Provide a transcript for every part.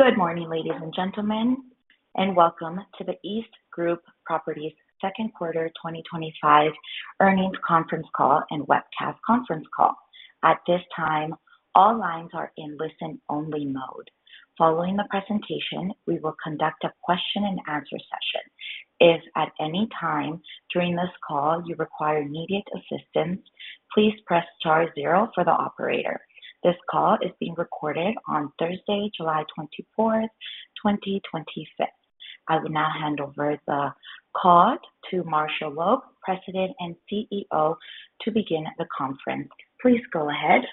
Good morning, ladies and gentlemen, and welcome to the EastGroup Properties Second Quarter twenty twenty five Earnings Conference Call and Webcast Conference Call. At this time, all lines are in listen only mode. Following the presentation, we will conduct a question and answer session. This call is being recorded on Thursday, July. I will now hand over the call to Marshall Loeb, President and CEO, to begin the conference. Please go ahead.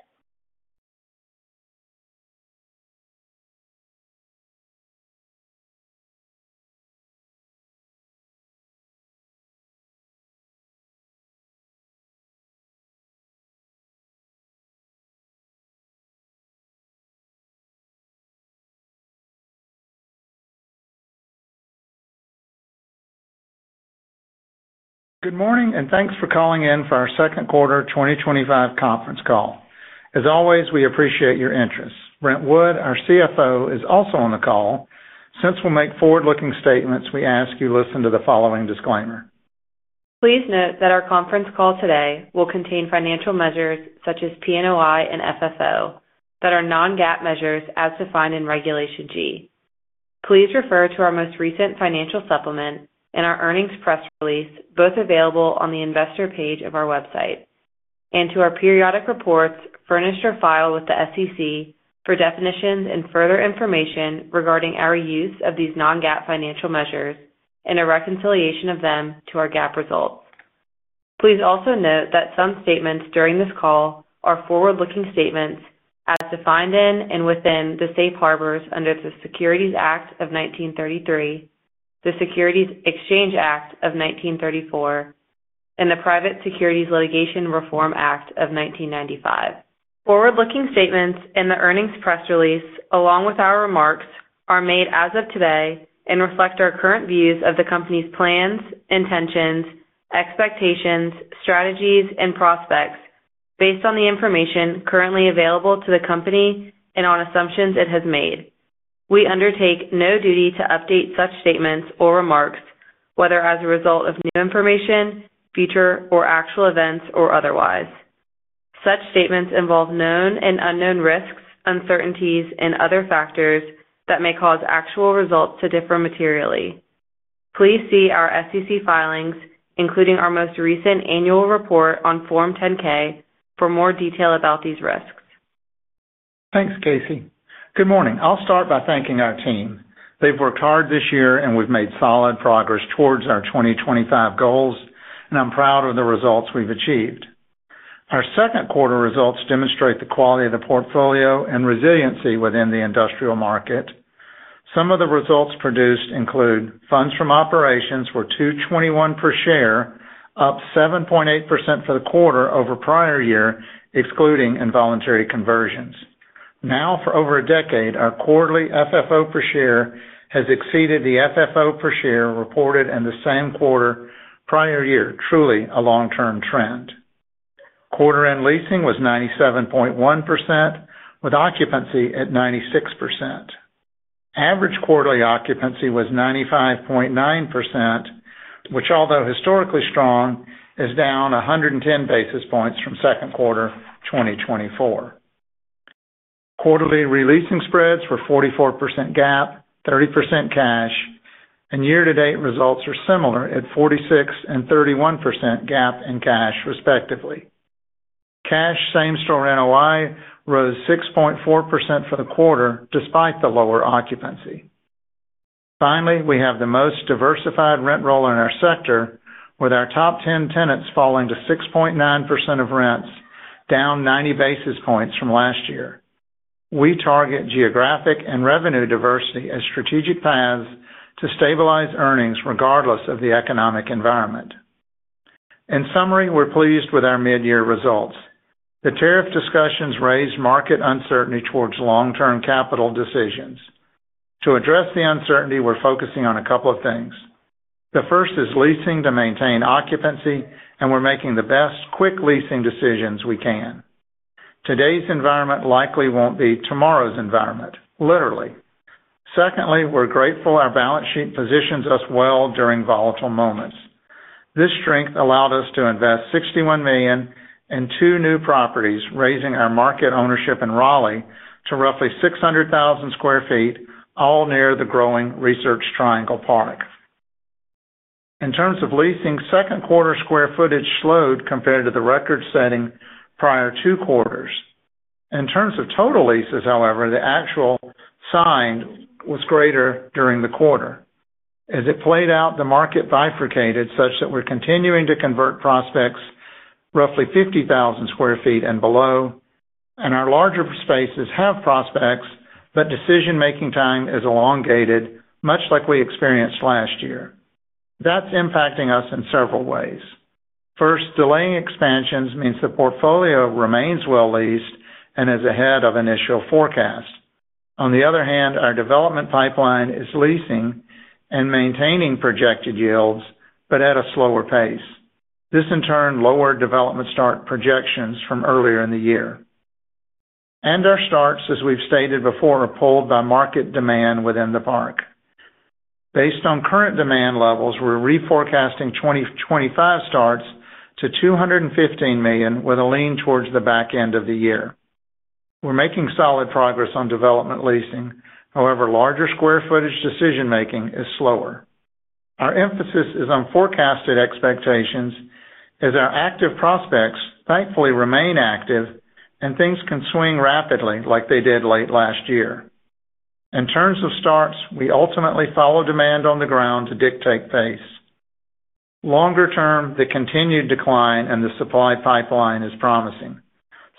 Good morning, and thanks for calling in for our second quarter twenty twenty five conference call. As always, we appreciate your interest. Brent Wood, our CFO, is also on the call. Since we'll make forward looking statements, we ask you listen to the following disclaimer. Please note that our conference call today will contain financial measures such as PNOI and FFO that are non GAAP measures as defined in Regulation G. Please refer to our most recent financial supplement and our earnings press release, both available on the Investor page of our website, and to our periodic reports furnished or filed with the SEC for definitions and further information regarding our use of these non GAAP financial measures and a reconciliation of them to our GAAP results. Please also note that some statements during this call are forward looking statements as defined in and within the Safe Harbor under the Securities Act of 1933, the Securities Exchange Act of 1934, and the Private Securities Litigation Reform Act of 1995. Forward looking statements in the earnings press release, along with our remarks, are made as of today and reflect our current views of the company's plans, intentions, expectations, strategies and prospects based on the information currently available to the company and on assumptions it has made. We undertake no duty to update such statements or remarks, whether as a result of new information, future or actual events or otherwise. Such statements involve known and unknown risks, uncertainties and other factors that may cause actual results to differ materially. Please see our SEC filings, including our most recent annual report on Form 10 ks, for more detail about these risks. Thanks, Casey. Good morning. I'll start by thanking our team. They've worked hard this year and we've made solid progress towards our 2025 goals, and I'm proud of the results we've achieved. Our second quarter results demonstrate the quality of the portfolio and resiliency within the industrial market. Some of the results produced include funds from operations were $2.21 per share, up 7.8% for the quarter over prior year, excluding involuntary conversions. Now for over a decade, our quarterly FFO per share has exceeded the FFO per share reported in the same quarter prior year, truly a long term trend. Quarter end leasing was 97.1% with occupancy at 96%. Average quarterly occupancy was 95.9%, which although historically strong is down 110 basis points from second quarter twenty twenty four. Quarterly re leasing spreads were 44% GAAP, 30% cash and year to date results are similar at 4631% GAAP and cash respectively. Cash same store NOI rose 6.4 for the quarter despite the lower occupancy. Finally, we have the most diversified rent roll in our sector with our top 10 tenants falling to 6.9% of rents, down 90 basis points from last year. We target geographic and revenue diversity as strategic paths to stabilize earnings regardless of the economic environment. In summary, we're pleased with our mid year results. The tariff discussions raised market uncertainty towards long term capital decisions. To address the uncertainty, we're focusing on a couple of things. The first is leasing to maintain occupancy and we're making the best quick leasing decisions we can. Today's environment likely won't be tomorrow's environment, literally. Secondly, we're grateful our balance sheet positions us well during volatile moments. This strength allowed us to invest 61,000,000 in two new properties, raising our market ownership in Raleigh to roughly 600,000 square feet, all near the growing Research Triangle Park. In terms of leasing, second quarter square footage slowed compared to the record setting prior two quarters. In terms of total leases, however, the actual signed was greater during the quarter. As it played out, the market bifurcated such that we're continuing to convert prospects roughly 50,000 square feet and below and our larger spaces have prospects, but decision making time is elongated much like we experienced last year. That's impacting us in several ways. First, delaying expansions means the portfolio remains well leased and is ahead of initial forecast. On the other hand, our development pipeline is leasing and maintaining projected yields, but at a slower pace. This in turn lowered development start projections from earlier in the year. And our starts, as we've stated before, are pulled by market demand within the park. Based on current demand levels, we're re forecasting 2025 starts to $215,000,000 with a lean towards the back end of the year. We're making solid progress on development leasing. However, larger square footage decision making is slower. Our emphasis is on forecasted expectations as our active prospects thankfully remain active and things can swing rapidly like they did late last year. In terms of starts, we ultimately follow demand on the ground to dictate pace. Longer term, the continued decline in the supply pipeline is promising.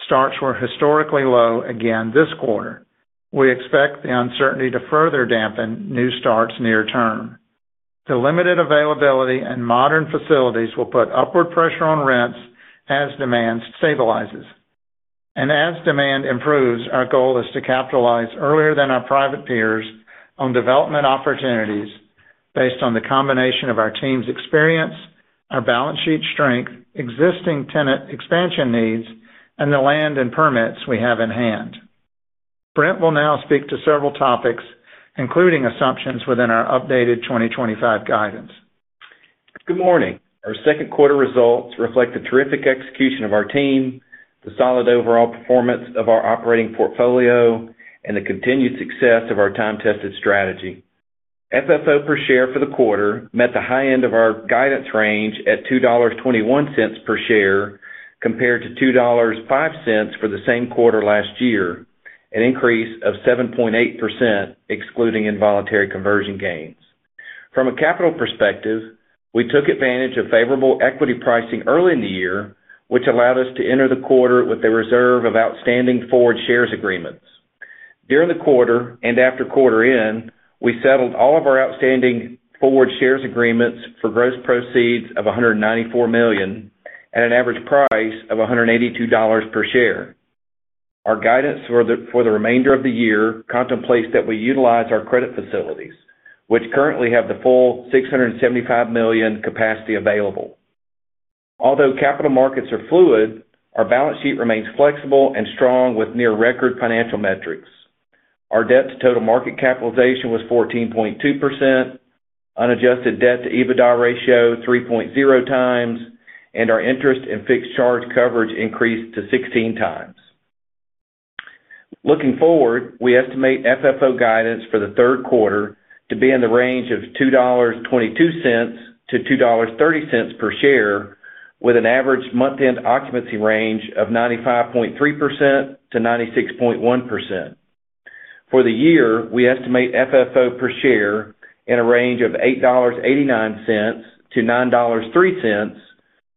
Starts were historically low again this quarter. We expect the uncertainty to further dampen new starts near term. The limited availability and modern facilities will put upward pressure on rents as demand stabilizes. And as demand improves, our goal is to capitalize earlier than our private peers on development opportunities based on the combination of our team's experience, our balance sheet strength, existing tenant expansion needs and the land and permits we have in hand. Brent will now speak to several topics, including assumptions within our updated 2025 guidance. Good morning. Our second quarter results reflect the terrific execution of our team, the solid overall performance of our operating portfolio and the continued success of our time tested strategy. FFO per share for the quarter met the high end of our guidance range at $2.21 per share compared to $2.05 for the same quarter last year, an increase of 7.8% excluding involuntary conversion gains. From a capital perspective, we took advantage of favorable equity pricing early in the year, which allowed us to enter the quarter with a reserve of outstanding forward shares agreements. During the quarter and after quarter end, we settled all of our outstanding forward shares agreements for gross proceeds of $194,000,000 at an average price of $182 per share. Our guidance for the remainder of the year contemplates that we utilize our credit facilities, which currently have the full $675,000,000 capacity available. Although capital markets are fluid, our balance sheet remains flexible and strong with near record financial metrics. Our debt to total market capitalization was 14.2%, unadjusted debt to EBITDA ratio three point zero times and our interest and fixed charge coverage increased to 16 times. Looking forward, we estimate FFO guidance for the third quarter to be in the range of $2.22 to $2.3 per share with an average month end occupancy range of 95.3% to 96.1%. For the year, we estimate FFO per share in a range of $8.89 to $9.03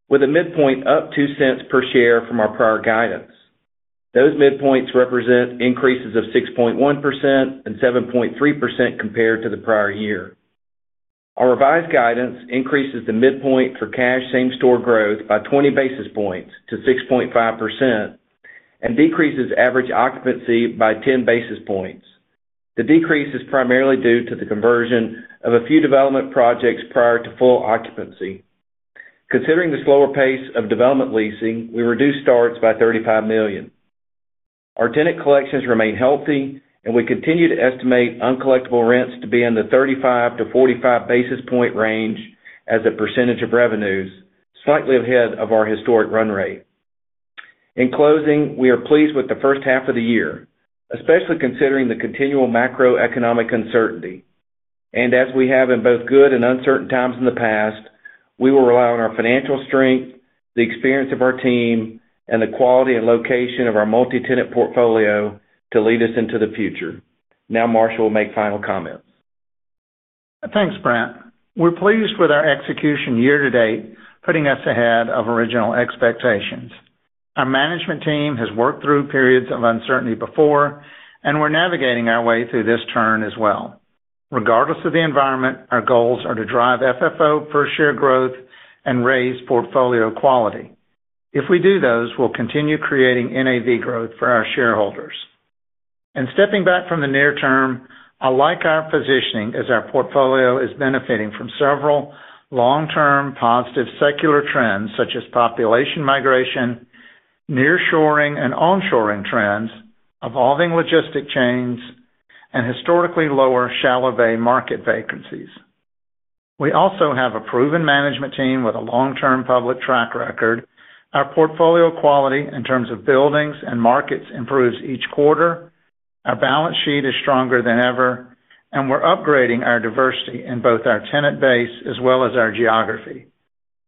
with a midpoint up $02 per share from our prior guidance. Those midpoints represent increases of 6.17.3% compared to the prior year. Our revised guidance increases the midpoint for cash same store growth by 20 basis points to 6.5% and decreases average occupancy by 10 basis points. The decrease is primarily due to the conversion of a few development projects prior to full occupancy. Considering the slower pace of development leasing, we reduced starts by $35,000,000 Our tenant collections remain healthy and we continue to estimate uncollectible rents to be in the 35 basis to 45 basis point range as a percentage of revenues, slightly ahead of our historic run rate. In closing, we are pleased with the first half of the year, especially considering the continual macroeconomic uncertainty. And as we have in both good and uncertain times in the past, we will rely on our financial strength, the experience of our team and the quality and location of our multi tenant portfolio to lead us into the future. Now Marshall will make final comments. Thanks, Brent. We're pleased with our execution year to date, putting us ahead of original expectations. Our management team has worked through periods of uncertainty before and we're navigating our way through this turn as well. Regardless of the environment, our goals are to drive FFO per share growth and raise portfolio quality. If we do those, we'll continue creating NAV growth for our shareholders. And stepping back from the near term, I like our positioning as our portfolio is benefiting from several long term positive secular trends such as population migration, near shoring and onshoring trends, evolving logistic chains and historically lower shallow bay market vacancies. We also have a proven management team with a long term public track record. Our portfolio quality in terms of buildings and markets improves each quarter. Our balance sheet is stronger than ever and we're upgrading our diversity in both our tenant base as well as our geography.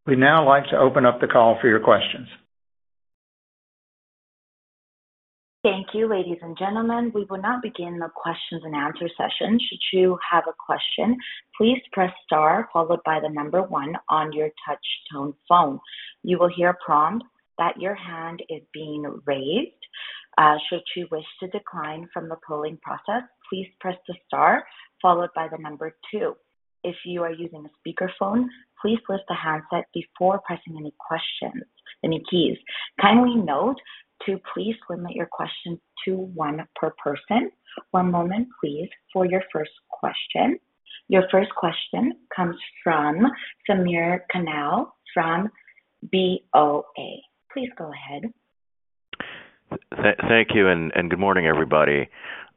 We'd now like to open up the call for your questions. Thank you, ladies and gentlemen. We will now begin the question and answer session. Should you have a question, please press followed by the number one on your touch tone phone. You will hear a prompt that your hand is being raised. Should you wish to decline from the polling process, please press the star followed by the number two. If you are using a speakerphone, please list the handset before pressing any questions, any keys. Kindly note to please limit your questions to one per person. One moment, please, for your first question. Your first question comes from Sameer Kannal from BOA. Please go ahead. Thank you and good morning everybody.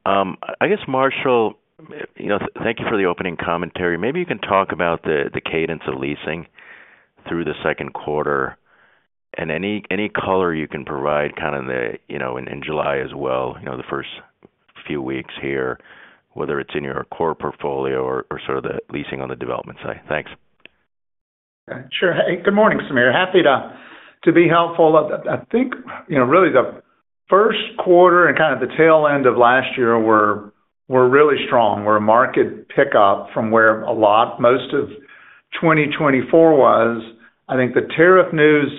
I guess Marshall, thank you for the opening commentary. Maybe you can talk about the cadence of leasing through the second quarter and any color you can provide kind of in July as well, the first few weeks here, whether it's in your core portfolio or sort of the leasing on the development side? Thanks. Sure. Hey, good morning, Samir. Happy to be helpful. Think really the first quarter and kind of the tail end of last year were really strong, where a market pick up from where a lot most of 2024 was. I think the tariff news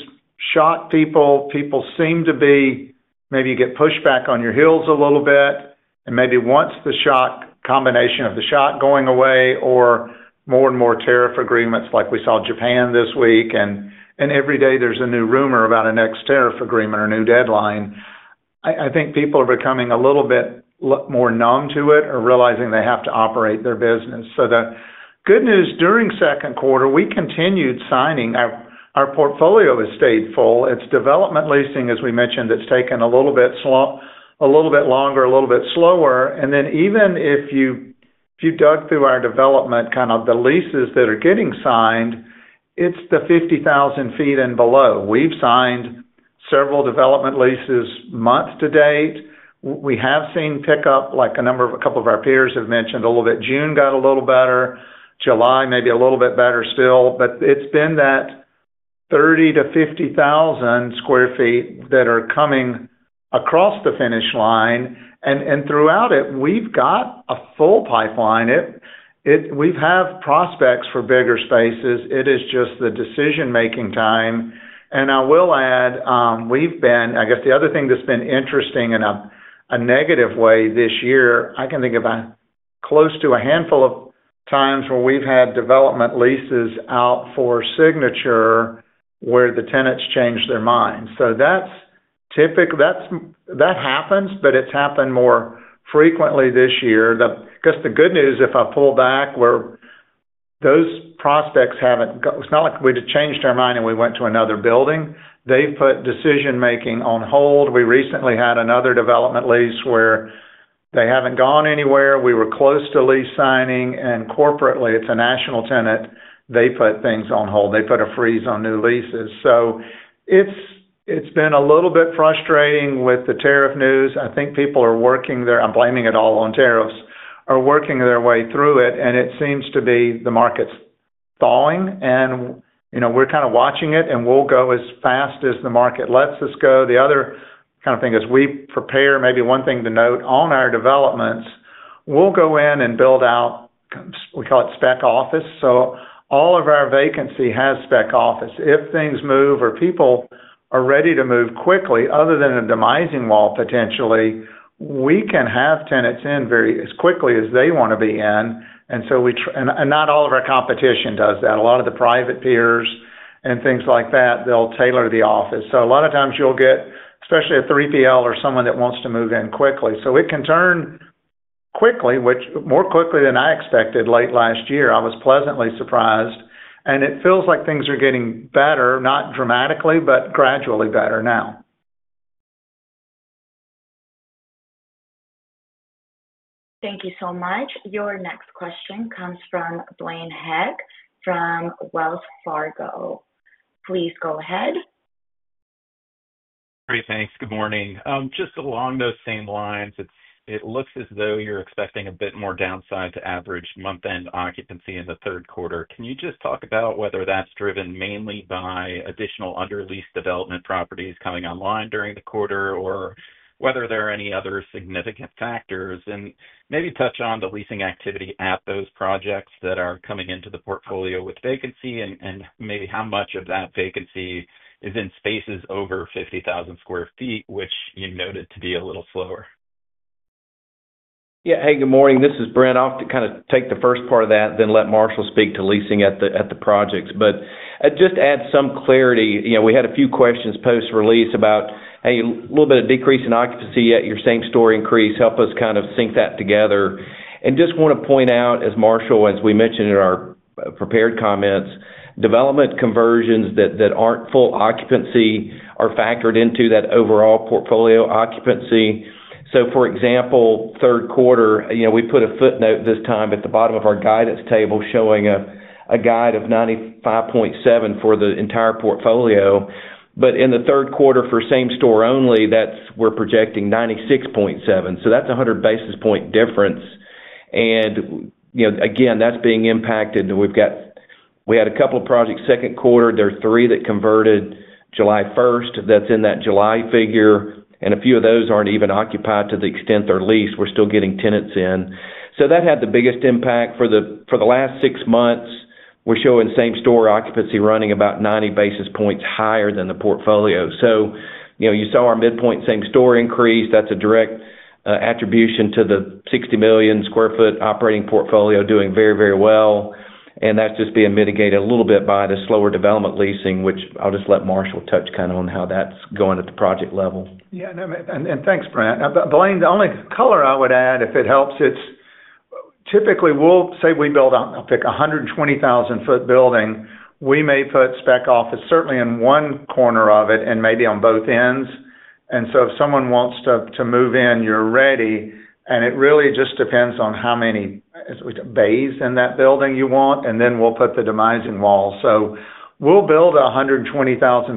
shot people, people seem to be maybe get pushed back on your heels a little bit and maybe once the shock combination of the shock going away or more and more tariff agreements like we saw in Japan this week and every day there's a new rumor about a next tariff agreement or new deadline. I think people are becoming a little bit more numb to it or realizing they have to operate their business. So the good news during second quarter, we continued signing. Portfolio is stateful. It's development leasing, as we mentioned, that's taken a little bit slow a little bit longer, a little bit slower. And then even if you dug through our development kind of the leases that are getting signed, it's the 50,000 feet and below. We've signed several development leases month to date. We have seen pickup like a number of a couple of our peers have mentioned a little bit. June got a little better, July maybe a little bit better still, but it's been that 30,000 to 50,000 square feet that are coming across the finish line. And throughout it, we've got a full pipeline. We've have prospects for bigger spaces. It is just the decision making time. And I will add, we've been I guess the other thing that's been interesting in a negative way this year, I can think about close to a handful of times where we've had development leases out for signature where the tenants change their mind. So that's typical that happens, but it's happened more frequently this year. The because the good news, if I pull back where those prospects haven't it's not like we'd changed our mind and we went to another building. They put decision making on hold. We recently had another development lease where they haven't gone anywhere. We were close to lease signing and corporately, it's a national tenant. They put things on hold. They put a freeze on new leases. So it's been a little bit frustrating with the tariff news. I think people are working there. I'm blaming it all on tariffs are working their way through it. And it seems to be the markets falling and we're kind of watching it and we'll go as fast as the market lets us go. The other kind of thing as we prepare maybe one thing to note on our developments, we'll go in and build out, we call it spec office. So all of our vacancy has spec office. If things move or people are ready to move quickly other than a demising wall potentially, we can have tenants in very as quickly as they want to be in. And so we and not all of our competition does that. A lot of the private peers and things like that, they'll tailor the office. So a lot of times you'll get, especially a 3PL or someone that wants to move in quickly. So it can turn quickly, which more quickly than I expected late last year, I was pleasantly surprised and it feels like things are getting better, not dramatically, but gradually better now. Thank you so much. Your next question comes from Blaine Heck from Wells Fargo. Please go ahead. Great. Thanks. Good morning. Just along those same lines, looks as though you're expecting a bit more downside to average month end occupancy in the third quarter. Can you just talk about whether that's driven mainly by additional under leased development properties coming online during the quarter or whether there are any other significant factors? And maybe touch on the leasing activity at those projects that are coming into portfolio with vacancy? And maybe how much of that vacancy is in spaces over 50,000 square feet, which you noted to be a little slower? Yes. Hey, good morning. This is Brent. I'll kind of take the first part of that, then let Marshall speak to leasing at projects. But just to add some clarity, we had a few questions post release about a little bit of decrease in occupancy, yet you're same store increase, help us kind of sync that together. And just want to point out as Marshall, as we mentioned in our prepared comments, development conversions that aren't full occupancy are factored into that overall portfolio occupancy. So, example, third quarter, we put a footnote this time at the bottom of our guidance table showing a guide of 95.7% for the entire portfolio. But in the third quarter for same store only, that's we're projecting 96.7%. So that's 100 basis point difference. And again, that's being impacted. We've got we had a couple of projects second quarter, there are three that converted July 1, that's in that July figure and a few of those aren't even occupied to the extent they're leased, we're still getting tenants in. So that had the biggest impact for the last six months. We're showing same store occupancy running about 90 basis points higher than the portfolio. So, you saw our midpoint same store increase, that's a direct attribution to the 60,000,000 square foot operating portfolio doing very, very well. And that's just being mitigated a little bit by the slower development leasing, which I'll just let Marshall touch kind of on how that's going at the project level. Yes. And thanks, Brent. Blaine, the only color I would add, if it helps, it's typically we'll say we build out, I'll pick 120,000 foot building, we may put spec office certainly in one corner of it and maybe on both ends. And so if someone wants to move in, you're ready. And it really just depends on how many bays in that building you want and then we'll put the demising wall. So we'll build 120,000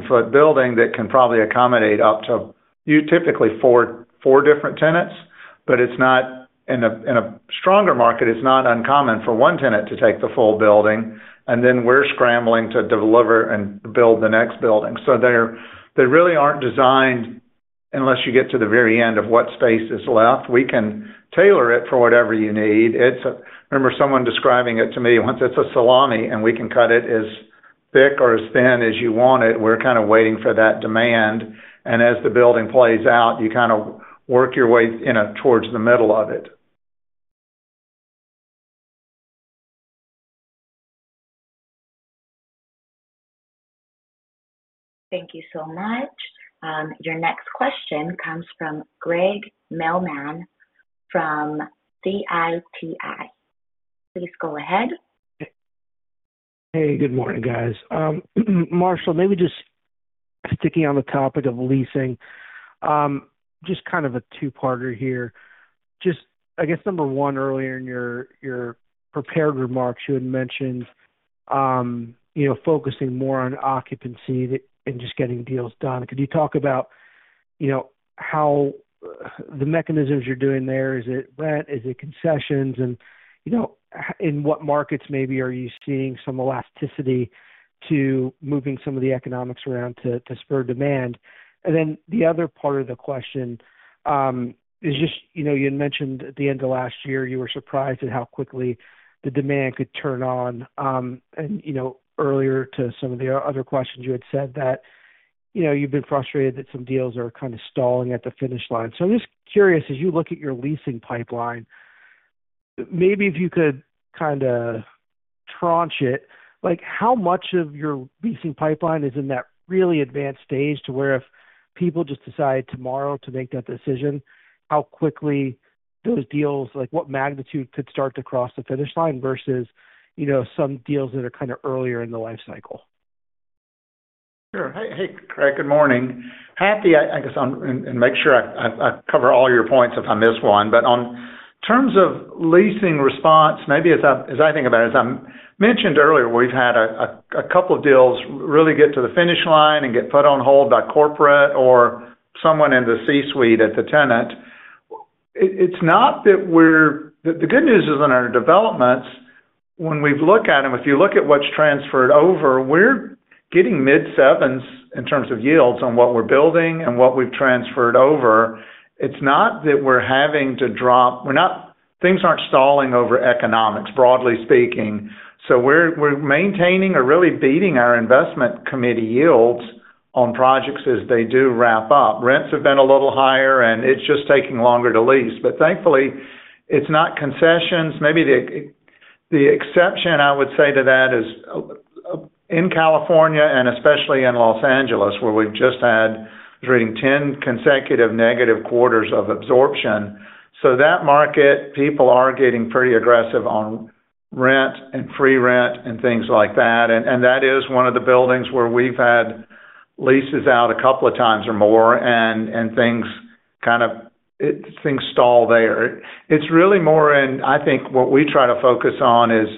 foot building that can probably accommodate up to you typically for four different tenants, but it's not in stronger market, it's not uncommon for one tenant to take the full building and then we're scrambling to deliver and build the next building. So they really aren't designed unless you get to the very end of what space is left. We can tailor it for whatever you need. It's I remember someone describing it to me once it's a salami and we can cut it as thick or as thin as you want it. We're kind of waiting for that demand. And as the building plays out, you kind of work your way towards the middle of it. Thank you so much. Your next question comes from Greg Melman from CITI. Please go ahead. Hey, good morning, guys. Marshall, maybe just sticking on the topic of leasing. Just kind of a two parter here. Just, I guess number one earlier in your prepared remarks you had mentioned focusing more on occupancy and just getting deals done. Could you talk about how the mechanisms you're doing there? Is it rent? Is it concessions? And in what markets maybe are you seeing some elasticity to moving some of the economics around to spur demand? And then the other part of the question is just you had mentioned at the end of last year, you were surprised at how quickly the demand could turn on. Earlier to some of the other questions you had said that you've been frustrated that some deals are kind of stalling at the finish line. So I'm just curious as you look at your leasing pipeline, maybe if you could kind of tranche it like how much of your leasing pipeline is in that really advanced stage to where if people just decide tomorrow to make that decision, how quickly those deals like what magnitude could start to cross the finish line versus some deals that are kind of earlier in the life cycle? Hey, Craig, good morning. Happy, I guess, and make sure I cover all your points if I miss one. But on terms of leasing response, maybe as I think about it, as I mentioned earlier, we've had a couple of deals really get to the finish line and get put on hold by corporate or someone in the C Suite at the tenant. It's not that we're the good news is on our developments, when we've looked at them, if you look at what's transferred over, we're getting mid-7s in terms of yields on what we're building and what we've transferred over. It's not that we're having to drop, we're not things aren't stalling over economics broadly speaking. So we're maintaining or really beating our investment committee yields on projects as they do wrap up. Rents have been a little higher and it's just taking longer to lease. But thankfully, it's not concessions. Maybe the exception I would say to that is in California and especially in Los Angeles, where we've just had during 10 consecutive negative quarters of absorption. So that market, people are getting pretty aggressive on rent and free rent and things like that. And that is one of the buildings where we've had leases out a couple of times or more and things kind of things stall there. It's really more in, I think what we try to focus on is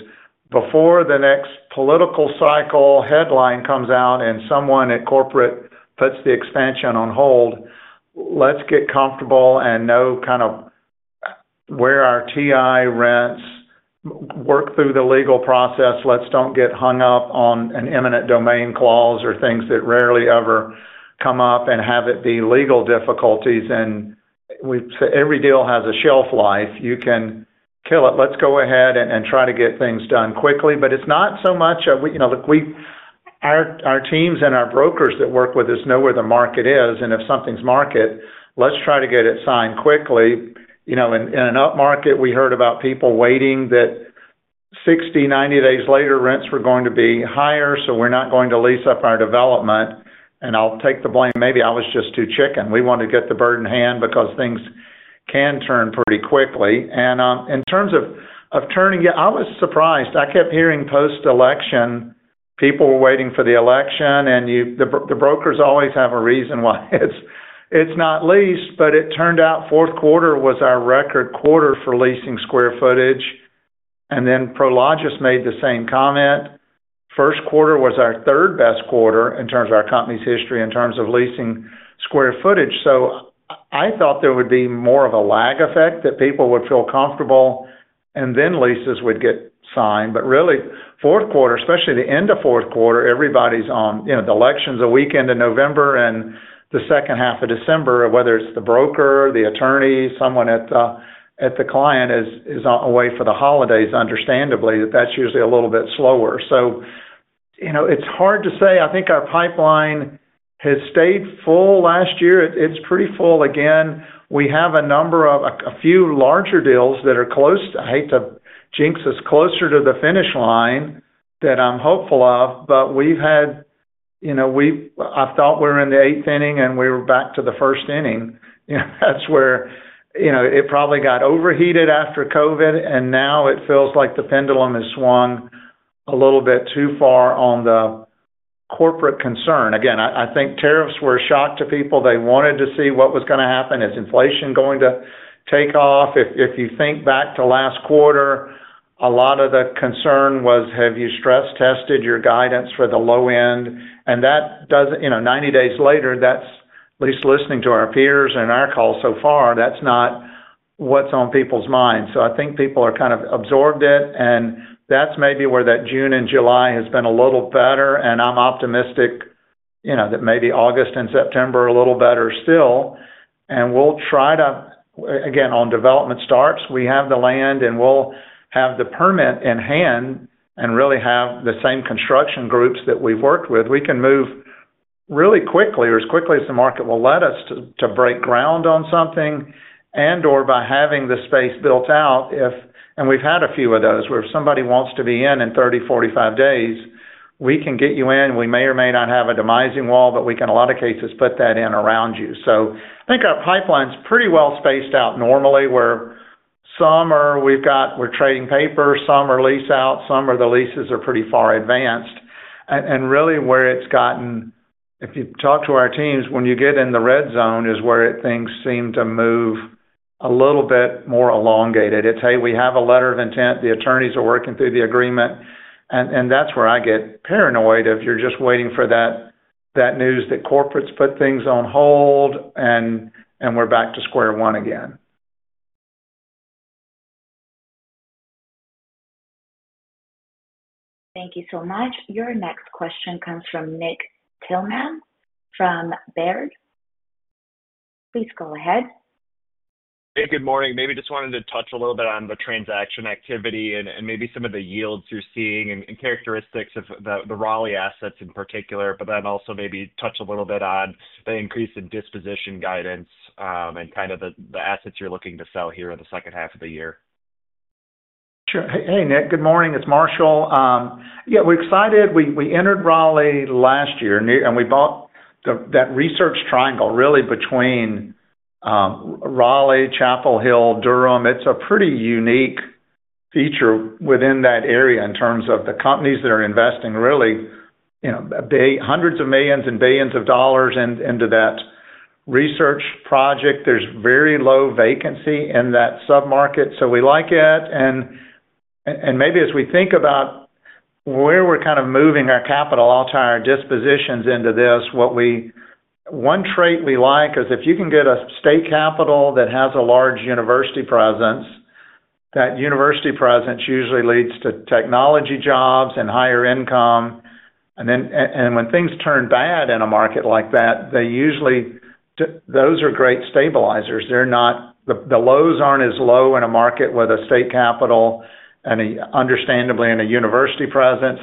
before the next political cycle headline comes out and someone at corporate puts the expansion on hold, let's get comfortable and know kind of where our TI rents work through the legal process. Let's don't get hung up on an eminent domain clause or things that rarely ever come up and have it be legal difficulties. And we've every deal has a shelf life. You can kill it. Let's go ahead and try to get things done quickly, but it's not so much we our teams and our brokers that work with us know where the market is. And if something's market, let's try to get it signed quickly. In an upmarket, we heard about people waiting that sixty, ninety days later rents were going to be higher. So we're not going to lease up our development. And I'll take the blame, maybe I was just too chicken. We want to get the burden hand because things can turn pretty quickly. And in terms of turning, I was surprised. I kept hearing post election, people were waiting for the election and the brokers always have a reason why it's not leased, but it turned out fourth quarter was our record quarter for leasing square footage. And then Prologis made the same comment. First quarter was our third best quarter in terms of our company's history, in terms of leasing square footage. So I thought there would be more of a lag effect that people would feel comfortable and then leases would get signed. Really fourth quarter, especially the end of fourth quarter, everybody's on the elections a weekend in November and the December, whether it's the broker, the attorney, someone at the client is away for the holidays understandably that that's usually a little bit slower. So it's hard to say, I think our pipeline has stayed full last year. It's pretty full again. We have a number of a few larger deals that are close to I hate to jinx us closer to the finish line that I'm hopeful of, but we've had we I thought we're in the eighth inning and we were back to the first inning. That's where it probably got overheated after COVID and now it feels like the pendulum has swung a little bit too far on the corporate concern. Again, I think tariffs were a shock to people. They wanted to see what was going to happen. Is inflation going to take off? If you think back to last quarter, a lot of the concern was, have you stress tested your guidance for the low end? And that does ninety days later, that's at least listening to our peers and our call so far, that's not what's on people's minds. So I think people are kind of absorbed it and that's maybe where that June and July has been a little better and I'm optimistic that maybe August and September a little better still. And we'll try to, again, on development starts, we have the land and we'll have the permit in hand and really have the same construction groups that we've worked with. We can move really quickly or as quickly as the market will let us to break ground on something and or by having the space built out if and we've had a few of those where somebody wants to be in, in thirty, forty five days, we can get you in, we may or may not have a demising wall, but we can a lot of cases put that in around you. So I think our pipeline is pretty well spaced out normally where some are we've got we're trading paper, some are lease out, some are the leases are pretty far advanced. And really where it's gotten if you talk to our teams, when you get in the red zone is where things seem to move a little bit more elongated. It's, hey, we have a letter of intent, the attorneys are working through the agreement. And that's where I get paranoid if you're just waiting for that news that corporates put things on hold and we're back to square one again. Thank you so much. Your next question comes from Nick Tillman from Baird. Please go ahead. Hey, good morning. Maybe just wanted to touch a little bit on the transaction activity and maybe some of the yields you're seeing and characteristics of the Raleigh assets in particular, but then also maybe touch a little bit on the increase in disposition guidance and kind of the assets you're looking to sell here in the second half of the year? Sure. Hey, Nick. Good morning. It's Marshall. Yes, we're excited. We entered Raleigh last year and we bought that research triangle really between Raleigh, Chapel Hill, Durham. It's a pretty unique feature within that area in terms of the companies that are investing really hundreds of millions and billions of dollars into that research project. There's very low vacancy in that submarket. So we like it. And maybe as we think about where we're kind of moving our capital, I'll tie our dispositions into this, what we one trait we like is if you can get a state capital that has a large university presence, that university presence usually leads to technology jobs and higher income. And then, and when things turn bad in a market like that, they usually those are great stabilizers. They're not the lows aren't as low in a market with a state capital and understandably in a university presence,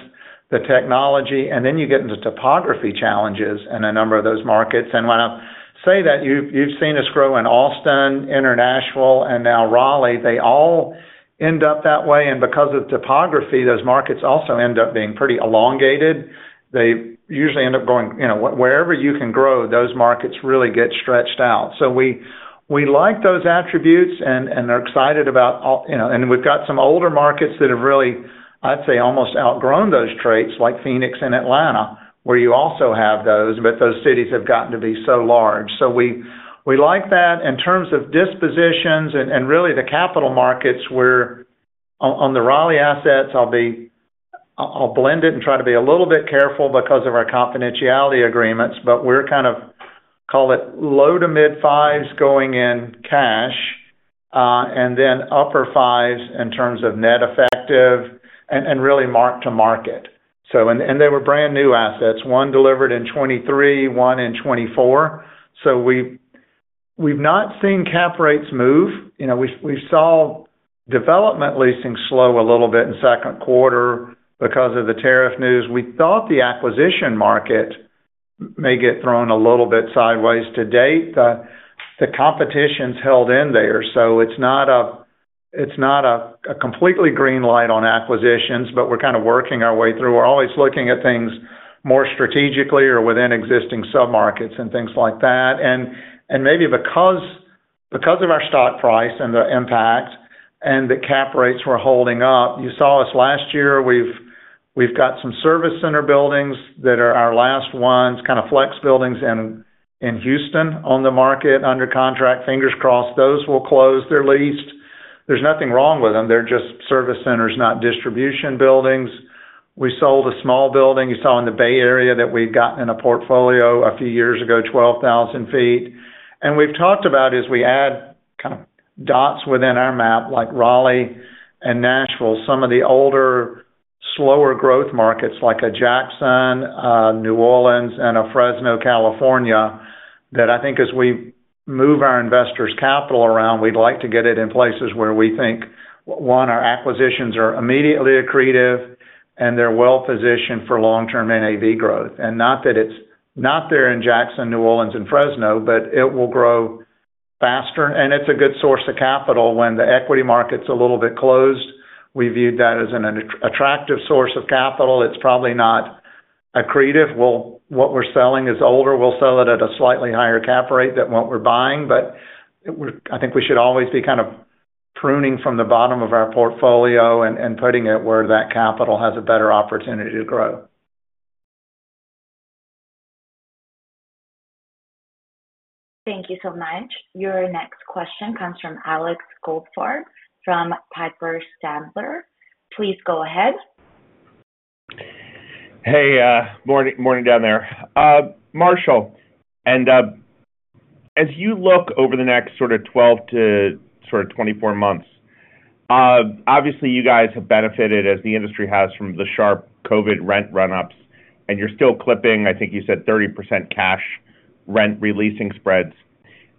the technology and then you get into topography challenges in a number of those markets. And when I say that you've seen us grow in Austin, International and now Raleigh, they all end up that way. And because of topography, those markets also end up being pretty elongated. They usually end up going wherever you can grow, those markets really get stretched out. So we like those attributes and are excited about and we've got some older markets that have really, I'd say, almost outgrown those traits like Phoenix and Atlanta, where you also have those, but those cities have gotten to be so large. So we like that. In terms of dispositions and really the capital markets, we're on the Raleigh assets, I'll be I'll blend it and try to be a little bit careful because of our confidentiality agreements, but we're kind of call it low to mid-5s going in cash and then upper-5s in terms of net effective and really mark to market. So and they were brand new assets, one delivered in 2023, one in 2024. So we've not seen cap rates move. We saw development leasing slow a little bit in second quarter because of the tariff news. We thought the acquisition market may get thrown a little bit sideways to date. The competition is held in there. So it's a completely green light on acquisitions, but we're kind of working our way through. We're always looking at things more strategically or within existing submarkets and things like that. And maybe because of our stock price and the impact and the cap rates were holding up, you saw us last year, we've got some service center buildings that are our last ones, kind of flex buildings in Houston on the market under contract, fingers crossed, those will close their lease. There's nothing wrong with them. They're just service centers, not distribution buildings. We sold a small building you saw in the Bay Area that we've gotten in a portfolio a few years ago, 12,000 feet. And we've talked about as we add kind of dots within our map like Raleigh and Nashville, some of the older slower growth markets like a Jackson, New Orleans and a Fresno, California that I think as we move our investors capital around, we'd like to get it in places where we think, one, our acquisitions are immediately accretive and they're well positioned for long term NAV growth. And not that it's not there in Jackson, New Orleans and Fresno, but it will grow faster and it's a good source of capital when the equity markets a little bit closed. We viewed that as an attractive source of capital. It's probably not accretive. We'll what we're selling is older, we'll sell it at a slightly higher cap rate than what we're buying. But I think we should always be kind of pruning from the bottom of our portfolio and putting it where that capital has a better opportunity to grow. Thank you so much. Your next question comes from Alex Goldfarb from Piper Sandler. Please go ahead. Hey, morning down there. Marshall, and as you look over the next sort of twelve to sort of twenty four months, obviously, you guys have benefited as the industry has from the sharp COVID rent run ups and you're still clipping, I think you said 30% cash rent releasing spreads.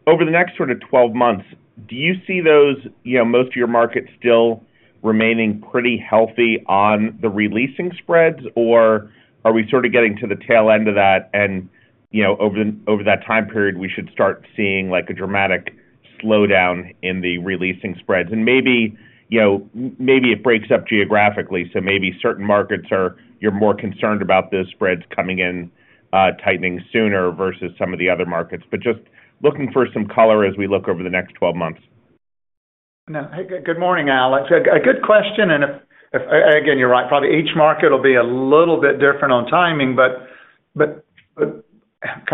Over the next sort of twelve months, do you see those most of your markets still remaining pretty healthy on the releasing spreads? Or are we sort of getting to the tail end of that? And over that time period, we should start seeing like a dramatic slowdown in the releasing spreads. And maybe it breaks up geographically, so maybe certain markets are you're more concerned about those spreads coming in tightening sooner versus some of the other markets. But just looking for some color as we look over the next twelve months. Good morning, Alex. A good question. And again, you're right, probably each market will be a little bit different on timing, but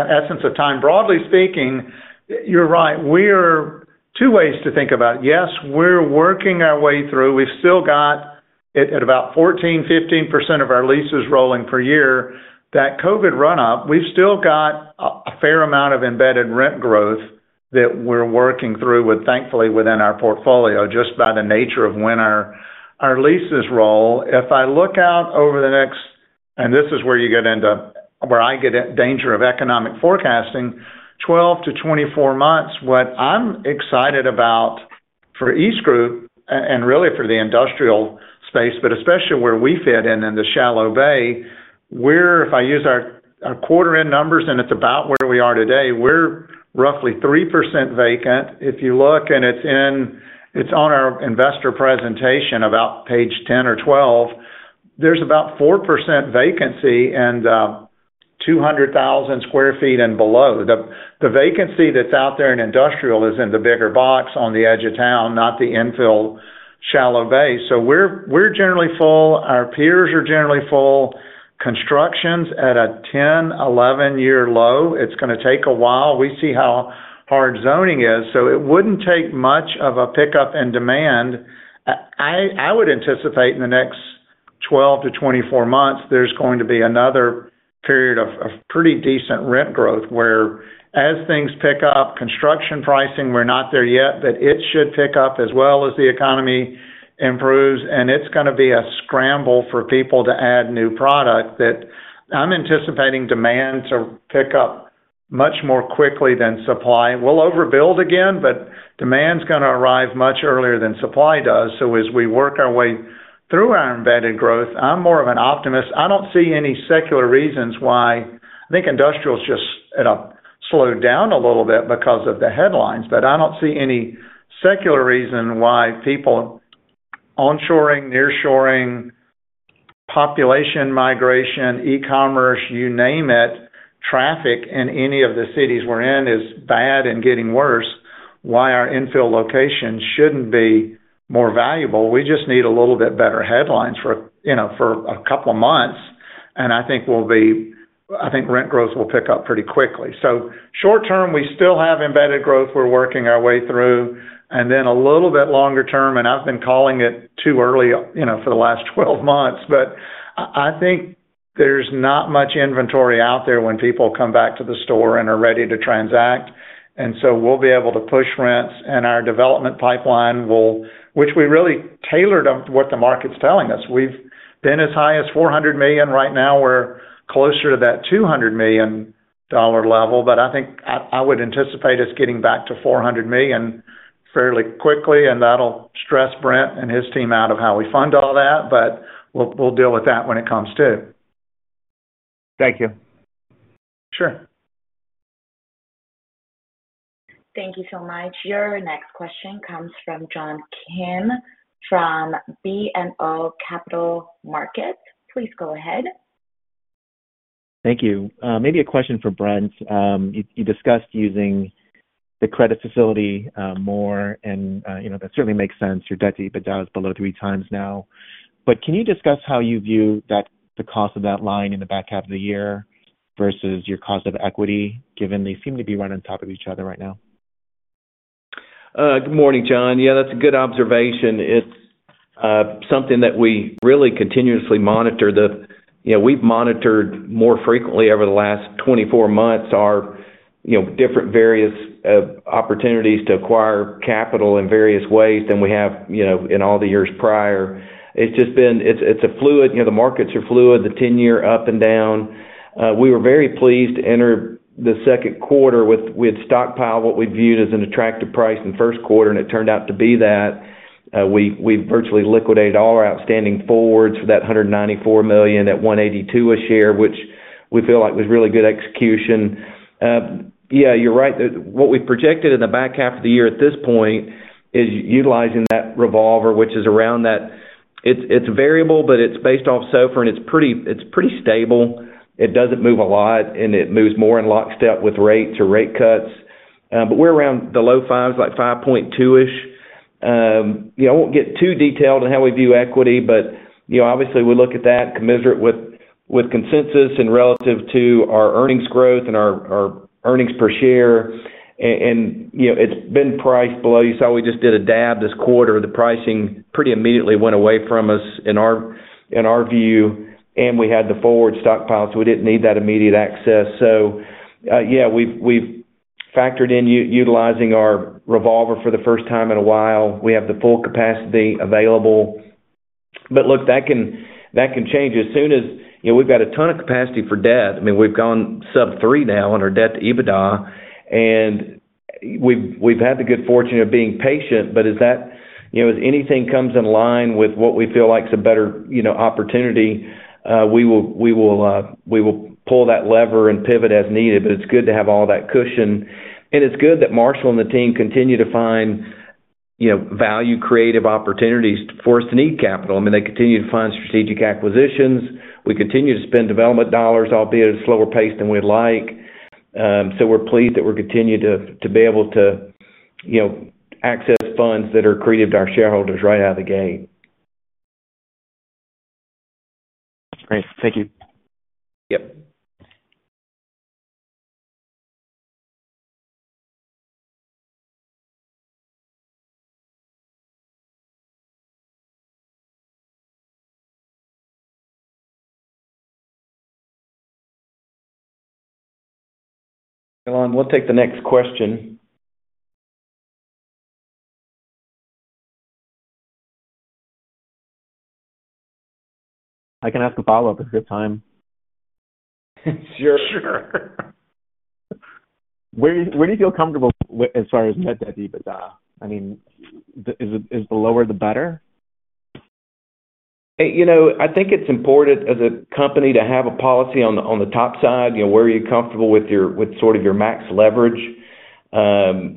essence of time broadly speaking, you're right, we're two ways to think about. Yes, we're working our way through. We've still got it at about 14%, 15% of our leases rolling per year that COVID run up, we've still got a fair amount of embedded rent growth that we're working through with thankfully within our portfolio just by the nature of when our leases roll. If I look out over the next and this is where you get end up, where I get at danger of economic forecasting twelve to twenty four months, what I'm excited about for EastGroup and really for the industrial space, but especially where we fit in, in the shallow bay, where if I use our quarter end numbers and it's about where we are today, we're roughly 3% vacant. If you look and it's in it's on our investor presentation about Page 10 or 12, there's about 4% vacancy and 200,000 square feet and below. The vacancy that's out there in industrial is in the bigger box on the edge of town, not the infill shallow base. So we're generally full. Our peers are generally full. Construction's at a ten, eleven year low. It's going to take a while. We see how hard zoning is. So it wouldn't take much of a pickup in demand. I would anticipate in the next twelve to twenty four months, there's going to be another period of pretty decent rent growth where as things pick up construction pricing, we're not there yet, but it should pick up as well as the economy improves and it's going to be a scramble for people to add new product that I'm anticipating demand to pick up much more quickly than supply. We'll overbuild again, but demand is going to arrive much earlier than supply does. So as we work our way through our embedded growth, I'm more of an optimist. I don't see any secular reasons why think industrial is just slowed down a little bit because of the headlines, but I don't see any secular reason why people onshoring, near shoring, population migration, e commerce, you name it, traffic in any of the cities we're in is bad and getting worse, why our infill location shouldn't be more valuable. We just need a little bit better headlines for a couple of months. And I think we'll be I think rent growth will pick up pretty quickly. So short term, we still have embedded growth. We're working our way through And then a little bit longer term and I've been calling it too early for the last twelve months. But I think there's not much inventory out there when people come back to the store and are ready to transact. And so we'll be able to push rents and our development pipeline will which we really tailored on what the market is telling us. We've been as high as $400,000,000 right now, we're closer to that $200,000,000 level. But I think I would anticipate us getting back to $400,000,000 fairly quickly and that'll stress Brent and his team out of how we fund all that, but we'll deal with that when it comes to. Thank you. Sure. Thank you so much. Your next question comes from John Kim from BMO Capital Markets. Please go ahead. Thank you. Maybe a question for Brent. You discussed using the credit facility more and that certainly makes sense. Your debt to EBITDA is below three times now. But can you discuss how you view that the cost of that line in the back half of the year versus your cost of equity given they seem to be running on top of each other right now? Good morning, John. Yeah, that's a good observation. It's something that we really continuously monitor. We've monitored more frequently over the last twenty four months are different various opportunities to acquire capital in various ways than we have in all the years prior. It's just been it's a fluid the markets are fluid, the ten year up and down. We were very pleased to enter the second quarter with stockpile what we viewed as an attractive price in first quarter and it turned out to be that. We virtually liquidate all our outstanding forwards for that $194,000,000 at $182 a share, which we feel like was really good execution. Yes, you're right. What we projected in the back half of the year at this point is utilizing that revolver, which is around that it's variable, but it's based off SOFR and it's pretty stable. It doesn't move a lot and it moves more in lockstep with rates or rate cuts. But we're around the low fives like 5.2 ish. I won't get too detailed on how we view equity, but obviously, we look at that commensurate with consensus and relative to our earnings growth and our earnings per share. And it's been priced below. You saw we just did a dab this quarter. The pricing pretty immediately went away from us in our view and we had the forward stockpiles. We didn't need that immediate access. So, yes, we've factored in utilizing our revolver for the first time in a while. We have the full capacity available. But look, that can change as soon as we've got a ton of capacity for debt. I mean, we've gone sub three now on our debt to EBITDA and we've had the good fortune of being patient, but is that if anything comes in line with what we feel like is a better opportunity, we will pull that lever and pivot as needed, but it's good to have all that cushion. And it's good that Marshall and the team continue to find value creative opportunities for us to need capital. I mean, they continue to find strategic acquisitions. We continue to spend development dollars, albeit at a slower pace than we'd like. So, we're pleased that we're continuing to be able to access funds that are accretive to our shareholders right out of the gate. Great. Thank you. Yep. We'll take the next question. I can ask a follow-up if you have time. Sure. Sure. Where where do you feel comfortable with as far as net debt to EBITDA? I mean, the is it is the lower the better? I think it's important as a company to have a policy on top side, where are you comfortable with sort of your max leverage.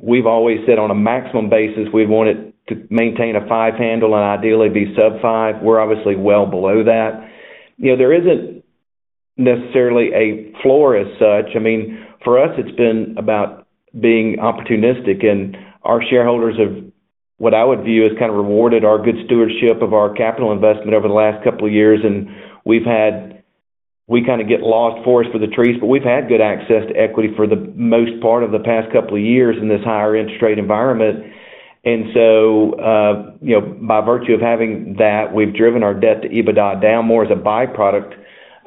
We've always said on a maximum basis, we wanted to maintain a five handle and ideally be sub five. We're obviously well below that. There isn't necessarily a floor as such. I mean, for us, it's been about being opportunistic and our shareholders have what I would view as kind of rewarded our good stewardship of our capital investment over the last couple of years. And we've had, we kind of get lost forest for the trees, we've had good access to equity for the most part of the past couple of years in this higher interest rate environment. And so, by virtue of having that, we've driven our debt to EBITDA down more as a byproduct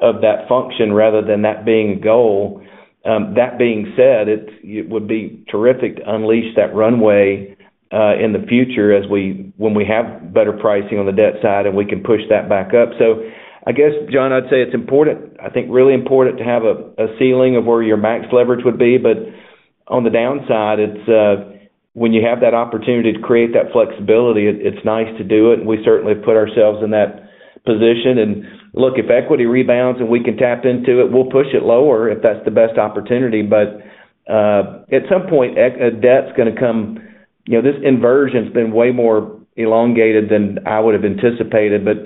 of that function rather than that being a goal. That being said, it would be terrific to unleash that runway in the future as we when we have better pricing on the debt side and we can push that back up. So, I guess, John, I'd say it's important, I think really important to have a ceiling of where your max leverage would be. But on the downside, it's when you have that opportunity to create that flexibility, it's nice to do it. We certainly put ourselves in that position and look, if equity rebounds and we can tap into it, we'll push it lower if that's the best opportunity. But at some point, debt's going to come this inversion has been way more elongated than I would have anticipated. But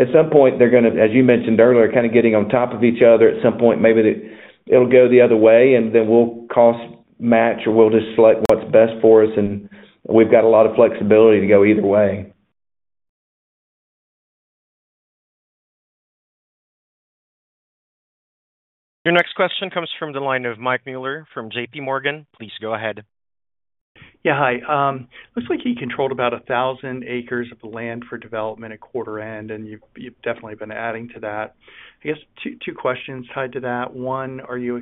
at some point, they're going to as you mentioned earlier, kind of getting on top of each other. At some point, maybe it'll go the other way and then we'll cost match or we'll just select what's best for us. And we've got a lot of flexibility to go either way. Your next question comes from the line of Mike Mueller from JPMorgan. Please go ahead. Yes, hi. Looks like you controlled about 1,000 acres of land for development at quarter end, and you've definitely been adding to that. I guess two questions tied to that. One, are you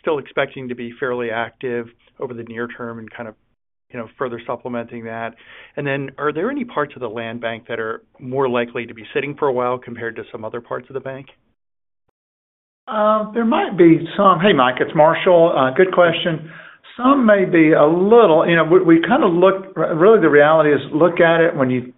still expecting to be fairly active over the near term and kind of further supplementing that? And then are there any parts of the land bank that are more likely to be sitting for a while compared to some other parts of the bank? Might be some. Hey, it's Marshall. Good question. Some may be a little we kind of look really the reality is look at it when you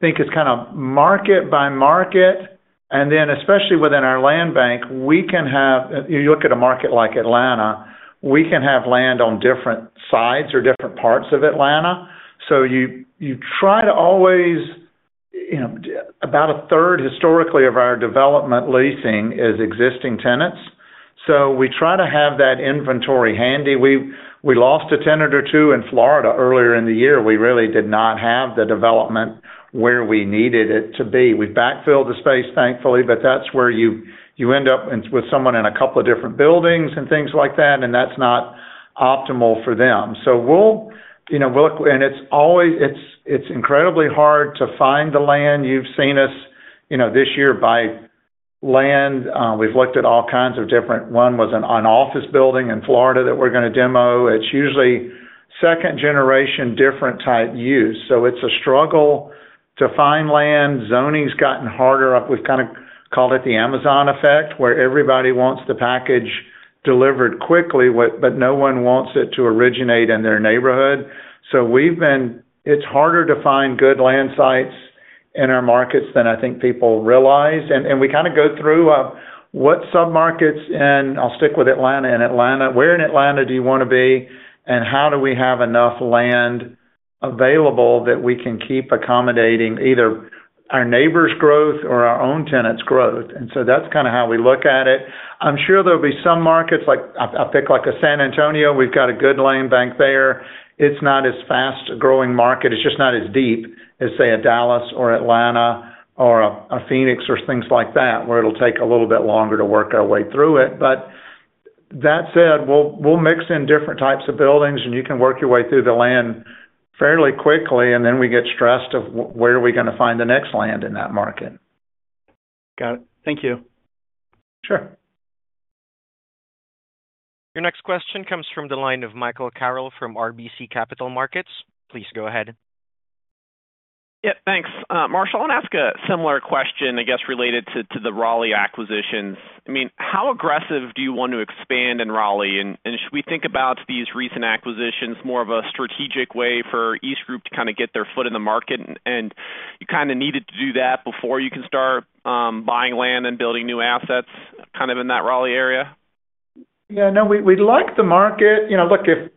think it's kind of market by market and then especially within our land bank, we can have you look at a market like Atlanta, we can have land on different sides or different parts of Atlanta. So you try to always about a third historically of our development leasing is existing tenants. So we try to have that inventory handy. We lost a tenant or two in Florida earlier in the year. We really did not have the development where we needed it to be. We backfilled the space thankfully, but that's where you end up with someone in a couple of different buildings and things like that and that's not optimal for them. So we'll look and it's always it's incredibly hard to find the land. You've seen us this year by land. We've looked at all kinds of different one was an office building in Florida that we're usually second generation different type use. So it's a struggle to find land. Zoning has gotten harder up. We've kind of called it the Amazon effect where everybody wants the package delivered quickly, but no one wants it to originate in their neighborhood. So we've been it's harder to find good land sites in our markets than I think people realize. And we kind of go through what submarkets and I'll stick with Atlanta and Atlanta, where in Atlanta do you want to be and how do we have enough land available that we can keep accommodating either our neighbors growth or our own tenants growth. And so that's kind of how we look at it. I'm sure there'll be some markets like I think like a San Antonio, we've got a good land bank there. It's not as fast growing market. It's just not as deep as say a Dallas or Atlanta or a Phoenix or things like that, where it'll take a little bit longer to work our way through it. But that said, we'll mix in different types of buildings and you can work your way through the land fairly quickly and then we get stressed of where are we going to find the next land in that market. Got it. Thank you. Sure. Your next question comes from the line of Michael Carroll from RBC Capital Markets. Please go ahead. Yes, thanks. Marshall, I want to ask a similar question, I guess, related to the Raleigh acquisitions. I mean, aggressive do you want to expand in Raleigh? And should we think about these recent acquisitions more of a strategic way for EastGroup to kind of get their foot in the market? And you kind of needed to do that before you can start buying land and building new assets kind of in that Raleigh area? Yes. No, we'd like the market. Look, if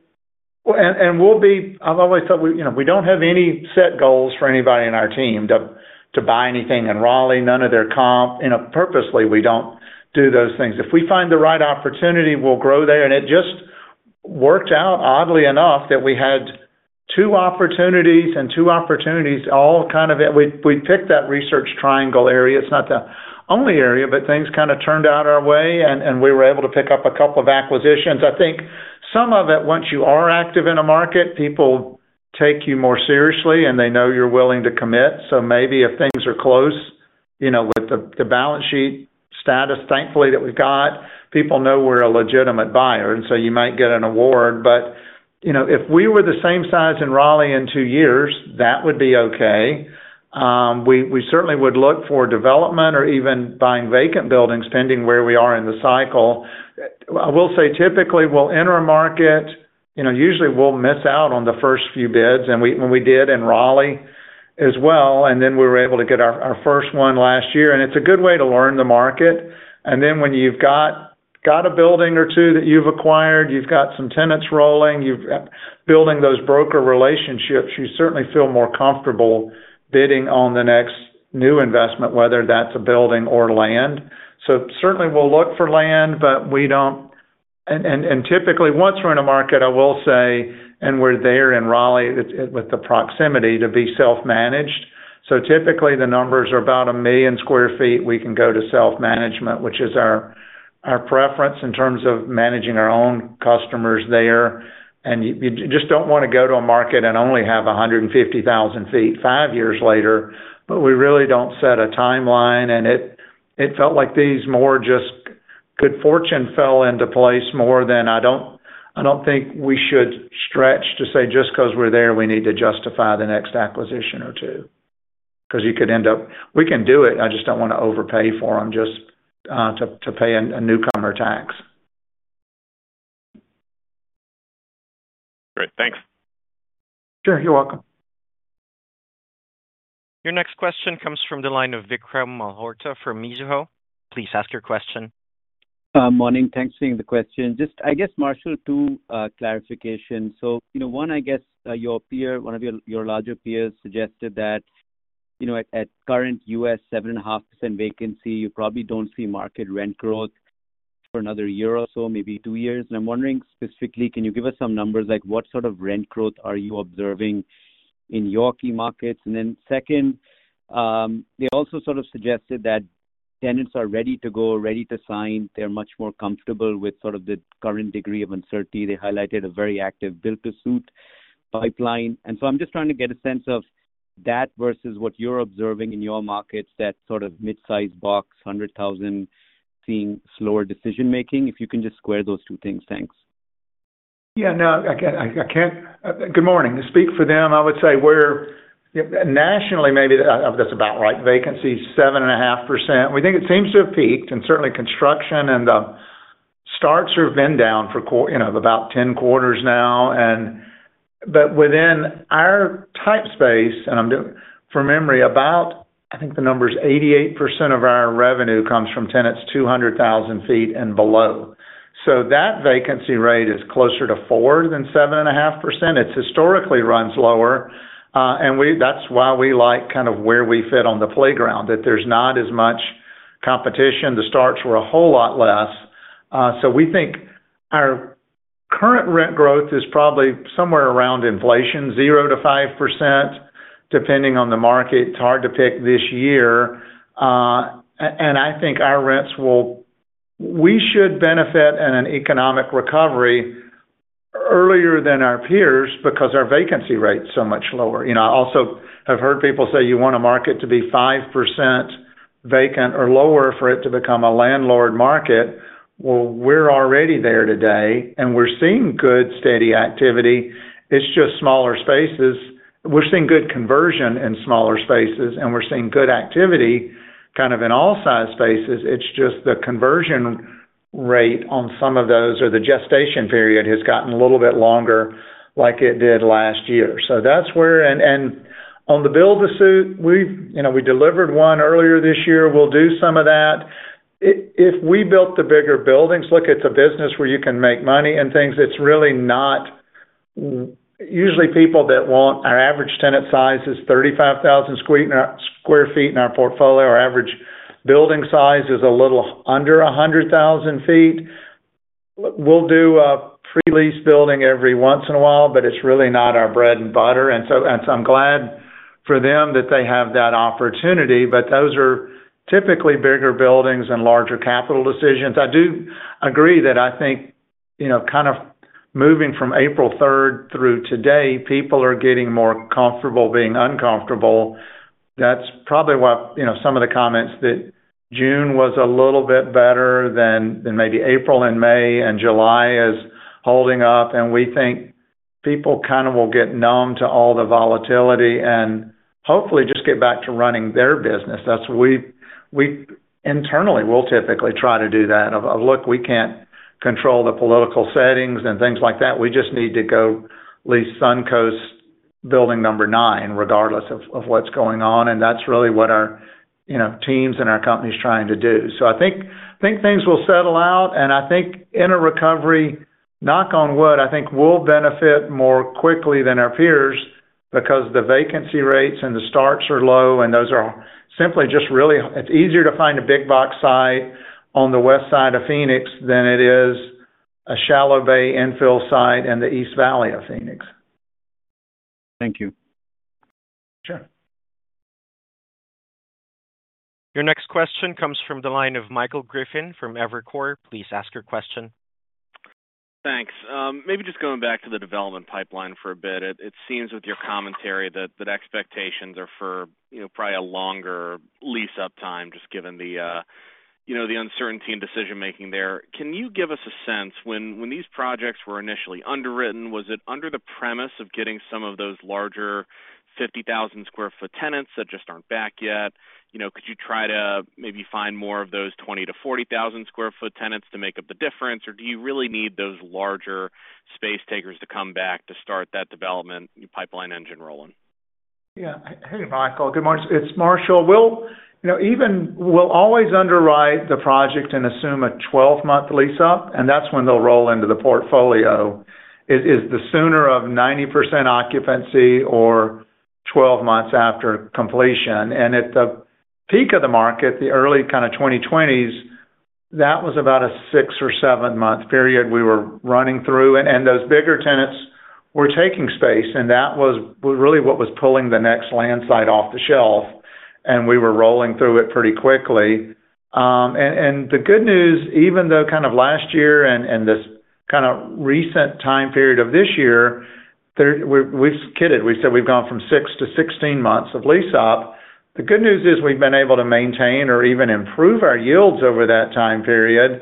and we'll be I've always thought we don't have any set goals for anybody in our team to buy anything in Raleigh, none of their comp. Purposely, we don't do those things. If we find the right opportunity, we'll grow there and it just worked out oddly enough that we had two opportunities and two opportunities all kind of we picked that research triangle area. It's not the only area, but things kind of turned out our way and we were able to pick up a couple of acquisitions. I think some of it once you are active in a market, people take you more seriously and they know you're willing to commit. So maybe if things are close with the balance sheet status, thankfully that we've got, people know we're a legitimate buyer and so you might get an award. But if we were the same size in Raleigh in two years, that would be okay. We certainly would look for development or even buying vacant buildings pending where we are in the cycle. I will say typically, we'll enter a market, usually we'll miss out on the first few bids and we did in Raleigh as well. And then we were able to get our first one last year and it's a good way to learn the market. And then when you've got a building or two that you've acquired, you've got some tenants rolling, you've building those broker relationships, you certainly feel more comfortable bidding on the next new investment, whether that's a building or land. So certainly, we'll look for land, but we don't and typically, once we're in a market, I will say, and we're there in Raleigh with the proximity to be self managed. So typically, the numbers are about 1,000,000 square feet, we can go to self management, which is our preference in terms of managing our own customers there. And you just don't want to go to a market and only have 150,000 feet five years later, but we really don't set a timeline and it felt like these more just good fortune fell into place more than I don't think we should stretch to say just because we're there, we need to justify the next acquisition or two because you could end up we can do it. I just don't want to overpay for them just to pay a newcomer tax. Great. Thanks. Sure. You're welcome. Your next question comes from the line of Vikram Malhotra from Mizuho. Please ask your question. Good morning. Thanks for taking the question. Just, I guess, Marshall, two clarifications. So, one, I guess, your peer one of your your larger peers suggested that, you know, at at current US seven and a half percent vacancy, you probably don't see market rent growth for another year or so, maybe two years. And I'm wondering specifically, can you give us some numbers? Like, what sort of rent growth are you observing in your key markets? And then second, they also sort of suggested that tenants are ready to go, ready to sign. They're much more comfortable with sort of the current degree of uncertainty. They highlighted a very active build to suit pipeline. And so I'm just trying to get a sense of that versus what you're observing in your markets that sort of midsized box, 100,000 seeing slower decision making, if you can just square those two things. Thanks. Yes. No, I can't. Good morning. To speak for them, I would say we're nationally, maybe that's about right, vacancy is 7.5%. We think it seems to have peaked and certainly construction and starts have been down for about ten quarters now. And but within our type space, and I'm doing from memory about, I think the number is 88% of our revenue comes from tenants 200,000 feet and below. So that vacancy rate is closer to 4% than 7.5%. It's historically runs lower and we that's why we like kind of where we fit on the playground that there's not as much competition. The starts were a whole lot less. So we think our current rent growth is probably somewhere around inflation, percent to 5%, depending on the market, it's hard to pick this year. And I think our rents will we should benefit in an economic recovery earlier than our peers because our vacancy rate is so much lower. I also have heard people say you want to market to be 5% vacant or lower for it to become a landlord market. We're already there today and we're seeing good steady activity. It's just smaller spaces. We're seeing good conversion in smaller spaces and we're seeing good activity kind of in all size spaces. It's just the conversion rate on some of those or the gestation period has gotten a little bit longer like it did last year. So that's where and on the build to suit, delivered one earlier this year, we'll do some of that. If we built the bigger buildings, look, it's a business where you can make money and things. It's really not usually people that want our average tenant size is 35,000 square feet in our portfolio. Our average building size is a little under 100,000 feet. We'll do a pre lease building every once in a while, but it's really not our bread and butter. And so I'm glad for them that they have that opportunity, but those are typically bigger buildings and larger capital decisions. I do agree that I think kind of moving from April 3 through today, people are getting more comfortable being uncomfortable. That's probably what some of the comments that June was a little bit better than maybe April and May and July is holding up. And we think people kind of will get numb to all the volatility and hopefully just get back to running their business. That's we internally will typically try to do that. Look, we can't control the political settings and things like that. We just need to go lease Suncoast Building Number 9 regardless of what's going on. And that's really what our teams and our company is trying to do. So I think things will settle out and I think in a recovery, knock on wood, I think we'll benefit more quickly than our peers because the vacancy rates and the starts are low and those are simply just really it's easier to find a big box site on the West Side Of Phoenix than it is a shallow bay infill site in the East Valley Of Phoenix. Thank you. Sure. Your next question comes from the line of Michael Griffin from Evercore. Please ask your question. Thanks. Maybe just going back to the development pipeline for a commentary that expectations are for probably a longer lease up time just given the uncertainty in decision making there. Can you give us a sense when these projects were initially underwritten? Was it under the premise of getting some of those larger 50,000 square foot tenants that just aren't back yet? Could you try to maybe find more of those 20,000 to 40,000 square foot tenants to make up the difference? Or do you really need those larger space takers to come back to start that development pipeline engine rolling? Yes. Hey, Michael. Good morning. It's Marshall. We'll even we'll always underwrite the project and assume a twelve month lease up, and that's when they'll roll into the portfolio. Is the sooner of 90% occupancy or twelve months after completion. And at the peak of the market, early kind of 2020s, that was about a six or seven month period we were running through and those bigger tenants were taking space and that was really what was pulling the next land site off the shelf and we were rolling through it pretty quickly. And the good news, even though kind of last year and this kind of recent time period of this year, we've skidded, we said we've gone from six to sixteen months of lease up. The good news is we've been able to maintain or even improve our yields over that time period.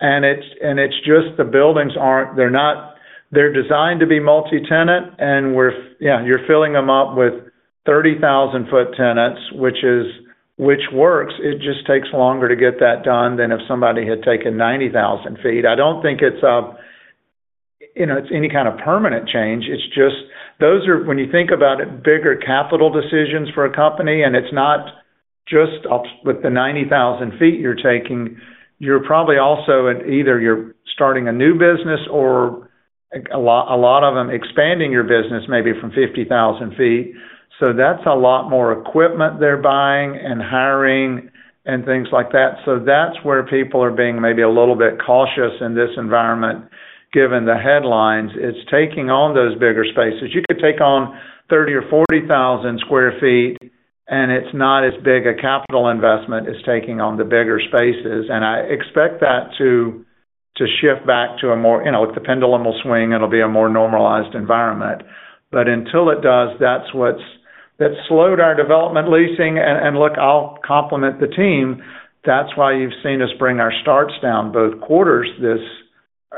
And it's just the buildings aren't they're not they're designed to be multi tenant and we're you're filling them up with 30,000 foot tenants, which is which works. It just takes longer to get that done than if somebody had taken 90,000 feet. I don't think it's any kind of permanent change. It's just those are when you think about it bigger capital decisions for a company and it's not just with the 90,000 feet you're taking, you're probably also either you're starting a new business or a lot of them expanding your business maybe from 50,000 feet. So that's a lot more equipment they're buying and hiring and things like that. So that's where people are being maybe a little bit cautious in this environment given the headlines. It's taking on those bigger spaces. You could take on 30,000 or 40,000 square feet and it's not as big a capital investment is taking on the bigger spaces. And I expect that to shift back to a more if the pendulum will swing, it will be a more normalized environment. But until it does, that's what's that slowed our development leasing and look, I'll complement the team. That's why you've seen us bring our starts down both quarters this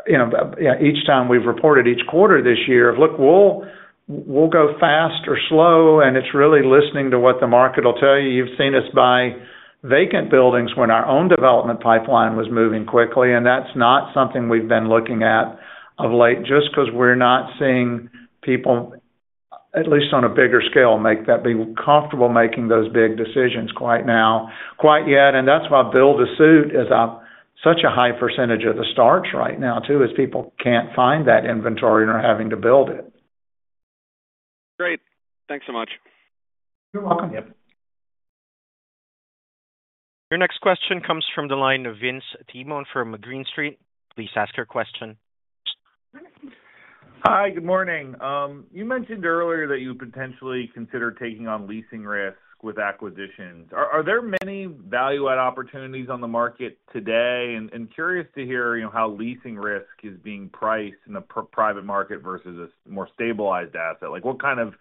each time we've reported each quarter this year, look, we'll go fast or slow and it's really listening to what the market will tell you. You've seen us buy vacant buildings when our own development pipeline was moving quickly and that's not something we've been looking at of late just because we're not seeing people at least on a bigger scale make that be comfortable making those big decisions quite now, quite yet. And that's why build to suit is up such a high percentage of the starts right now too as people can't find that inventory and are having to build it. Great. Thanks so much. You're welcome. Your next question comes from the line of Vince Tiemon from Green Street. Please ask your question. Hi, good morning. You mentioned earlier that you potentially consider taking on leasing risk with acquisitions. Are there many value add opportunities on the market today? And curious to hear how leasing risk is being priced in the private market versus a more stabilized asset. What kind of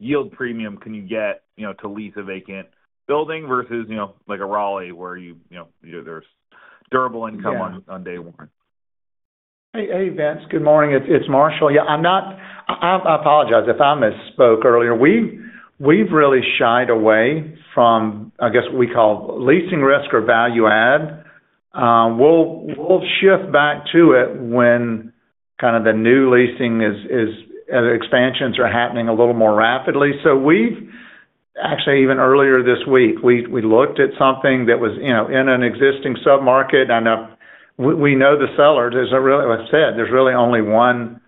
yield premium can you get to lease a vacant building versus like a Raleigh where there's durable income on day one? Hey, Vince. Good morning. It's Marshall. Yeah, I'm not I apologize if I misspoke earlier. We've really shied away from, I guess, we call leasing risk or value add. We'll shift back to it when kind of the new leasing is expansions are happening a little more rapidly. So we've actually even earlier this week, we looked at something that was in an existing submarket and we know the seller, there's a really like said, there's really only one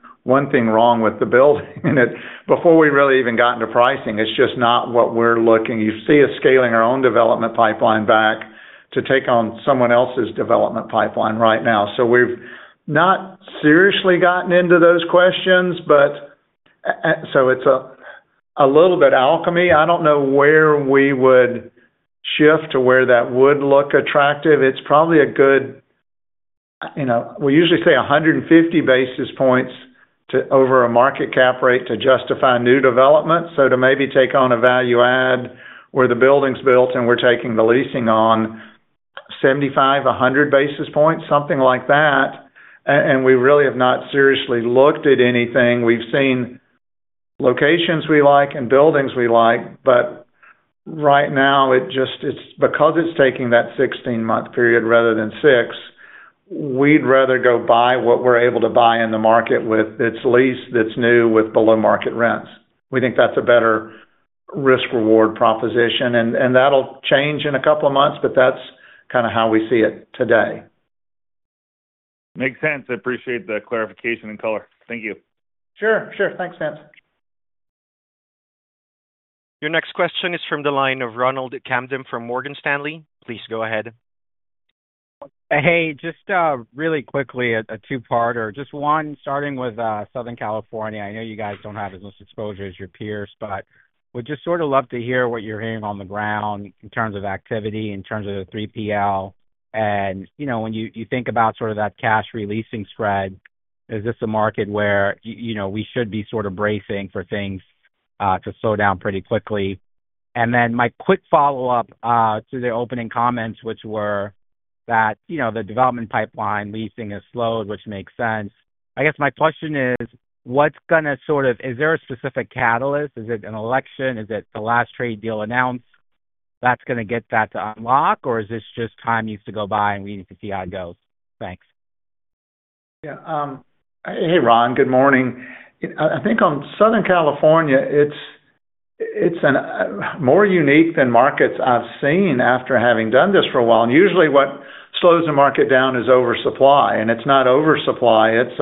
thing wrong with the building. And it's before we really even gotten to pricing, it's just not what we're looking. You see us scaling our own development pipeline back to take on someone else's development pipeline right now. So we've not seriously gotten into those questions, but so it's a little bit alchemy. I don't know where we would shift to where that would look attractive. It's probably a good we usually say 150 basis points to over a market cap rate to justify new development. So to maybe take on a value add where the building is built and we're taking the leasing on 75 basis 100 basis points, something like that. And we really have not seriously looked at anything. We've seen locations we like and buildings we like, but right now it just it's because it's taking that sixteen month period rather than six, we'd rather go buy what we're able to buy in the market with its lease that's new with below market rents. We think that's a better risk reward proposition and that'll change in a couple of months, but that's kind of how we see it today. Makes sense. I appreciate the clarification and color. Thank you. Sure. Thanks, Vince. Your next question is from the line of Ronald Camden from Morgan Stanley. Please go ahead. Hey, just really quickly a two parter. Just one starting with Southern California. I know you guys don't have as much exposure as your peers, but would just sort of love to hear what you're hearing on the ground in terms of activity, in terms of the 3PL. And when you think about sort of that cash releasing spread, is this a market where we should be sort of bracing for things to slow down pretty quickly? And then my quick follow-up to their opening comments, which were that the development pipeline leasing has slowed, which makes sense. I guess my question is, what's going to sort of is there a specific catalyst? Is it an election? Is it the last trade deal announced that's going to get that to unlock? Or is this just time needs to go by and we need to see how it goes? Thanks. Hey, Ron, good morning. I think on Southern California, it's more unique than markets I've seen after having done this for a while. And usually what slows the market down is oversupply and it's not oversupply, it's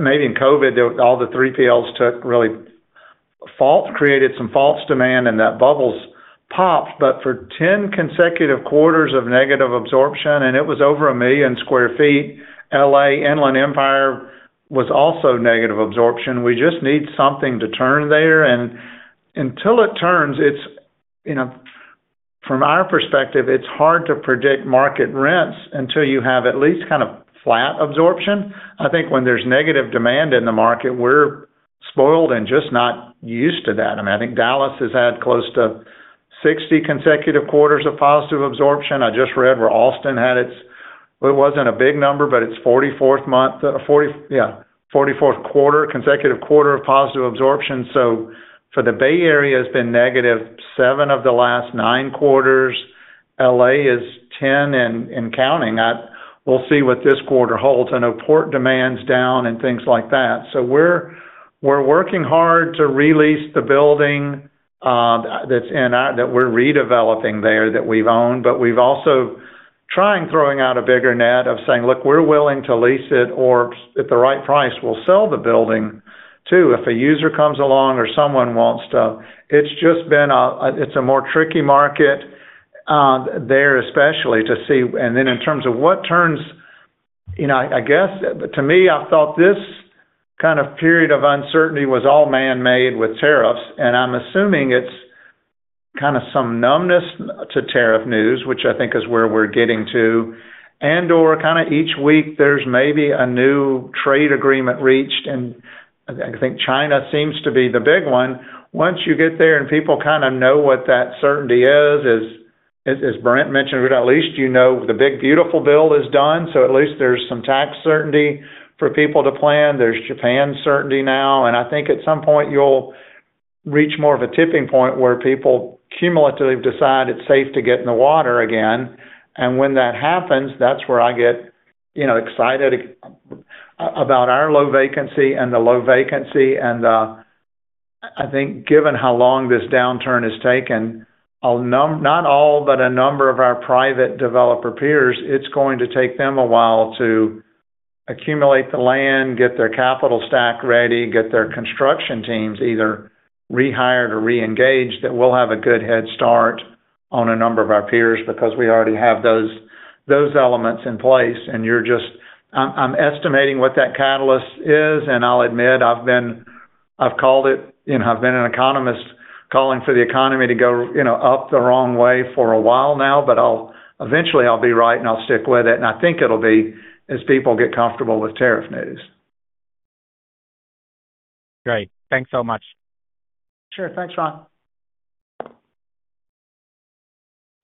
maybe in COVID, all the 3PLs took really fault created some false demand and that bubbles popped, but for ten consecutive quarters of negative absorption and it was over a million square feet, LA Inland Empire was also negative absorption. We just need something to turn there. And until it turns, it's from our perspective, it's hard to predict market rents until you have at least kind of flat absorption. I think when there's negative demand in the market, we're spoiled and just not used to that. I mean, I think Dallas has had close to 60 consecutive quarters of positive absorption. I just read where Austin had its it wasn't a big number, but its forty fourth month forty fourth quarter consecutive quarter of positive absorption. So for the Bay Area has been negative seven of the last nine quarters. LA is 10 and counting. We'll see what this quarter holds. I know port demand is down and things like that. So we're working hard to release the building that's in that we're redeveloping there that we've owned, but we've also trying throwing out a bigger net of saying, look, we're willing to lease it or at the right price, we'll sell the building too if a user comes along or someone wants to. It's just been it's a more tricky market there especially to see. And then in terms of what turns, I guess, to me, I felt this kind of period of uncertainty was all man made with tariffs and I'm assuming it's kind of some numbness to tariff news, which I think is where we're getting to and or kind of each week there's maybe a new trade agreement reached and I think China seems to be the big one. Once you get there and people kind of know what that certainty is, as Brent mentioned, least you know, the big beautiful bill is done. So at least there's some tax certainty for people to plan. There's Japan certainty now. And I think at some point you'll reach more of a tipping point where people cumulative decide it's safe to get in the water again. And when that happens, that's where I get excited about our low vacancy and the low vacancy. And I think given how long this downturn has taken, not all, but a number of our private developer peers, it's going to take them a while to accumulate the land, get their capital stack ready, get their construction teams either rehired or reengaged that we'll have a good head start on a number of our peers because we already have those elements in place and you're just I'm estimating what that catalyst is and I'll admit I've been I've called it, I've been an economist calling for the economy to go up the wrong way for a while now, but I'll eventually I'll be right and I'll stick with it. And I think it'll be as people get comfortable with tariff news. Great. Thanks so much. Sure. Thanks, Ron.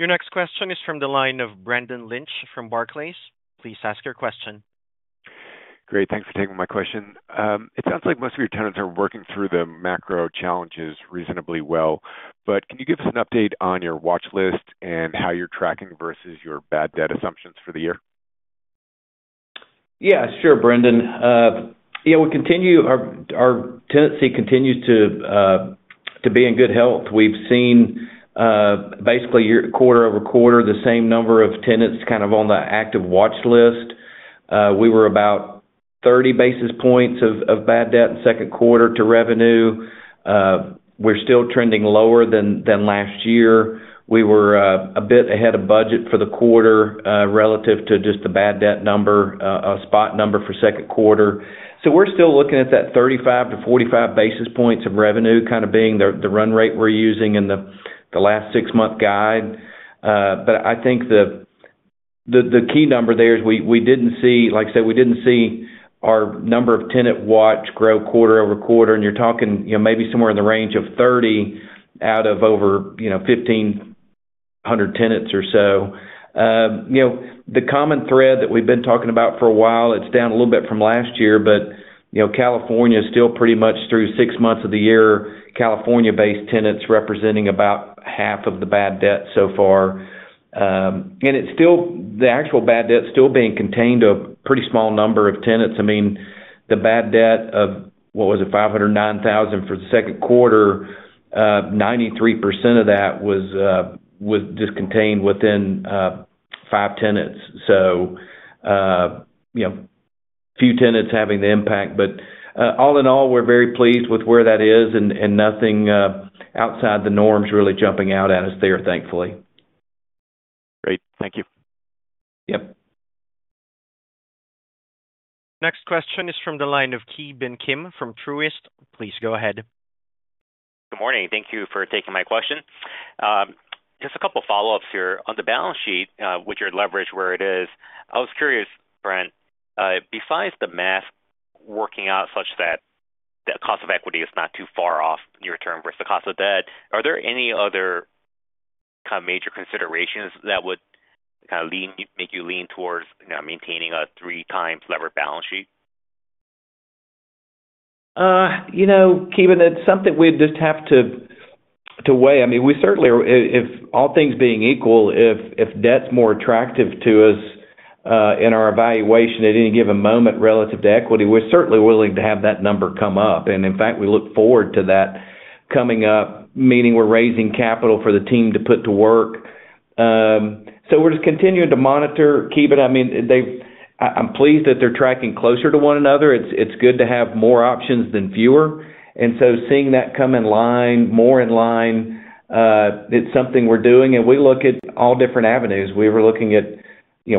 Your next question is from the line of Brandon Lynch from Barclays. Please ask your question. Great. Thanks for taking my question. It sounds like most of your tenants are working through the macro challenges reasonably well. But can you give us an update on your watch list and how you're tracking versus your bad debt assumptions for the year? Yes, sure, Brendan. We continue our tenancy continues to be in good health. We've seen basically quarter over quarter the same number of tenants kind of on the active watch list. We were about 30 basis points of bad debt in second quarter to revenue. We're still trending lower than last year. We were a bit ahead of budget for the quarter relative to just the bad debt number, a spot number for second quarter. So we're still looking at that 35 basis to 45 points of revenue kind of being the run rate we're using in the last six month guide. But I think the key number there is we didn't see like I said, we didn't see our number of tenant watch grow quarter over quarter and you're talking maybe somewhere in the range of 30 out of over 1,500 tenants or so. The common thread that we've been talking about for a while, it's down a little bit from last year, but California is still pretty much through six months of the year, California based tenants representing about half of the bad debt so far. And it's still the actual bad debt still being contained to a pretty small number of tenants. I mean, the bad debt of what was it $509,000 for the second quarter, 93% of that was just contained within five tenants. So, few tenants having the impact, but all in all, we're very pleased with where that is and nothing outside the norms really jumping out at us there thankfully. Great. Thank you. Next question is from the line of Ki Bin Kim from Truist. Please go ahead. Good morning. Thank you for taking my question. Just a couple of follow ups here. On the balance sheet, with your leverage where it is, I I was curious, Brent, besides the mask working out such that the cost of equity is not too far off near term versus the cost of debt, are there any other kind of major considerations that would kind of lean make you lean towards maintaining a three times levered balance sheet? Ki Bin, it's something we just have to weigh. I mean, we certainly are if all things being equal, if debt's more attractive to us in our evaluation at any given moment relative to equity, we're certainly willing to have that number come up. And in fact, we look forward to that coming up, meaning we're raising capital for the team to put to work. So we're just continuing to monitor, keep it. I mean, they've I'm pleased that they're tracking closer to one another. It's good to have more options than fewer. And so seeing that come in line, more in line, it's something we're doing and we look at all different avenues. We were looking at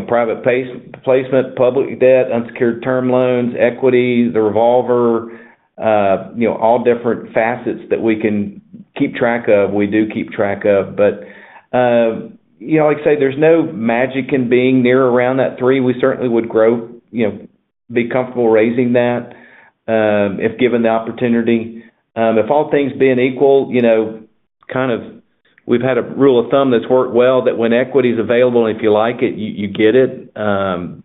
private placement, public debt, unsecured term loans, equities, the revolver, all different facets that we can keep track of, we do keep track of. But like I say, there's no magic in being near around that three. We certainly would grow, be comfortable raising that if given the opportunity. If all things being equal, kind of we've had a rule of thumb that's worked well that when equity is available and if you like it, you get it.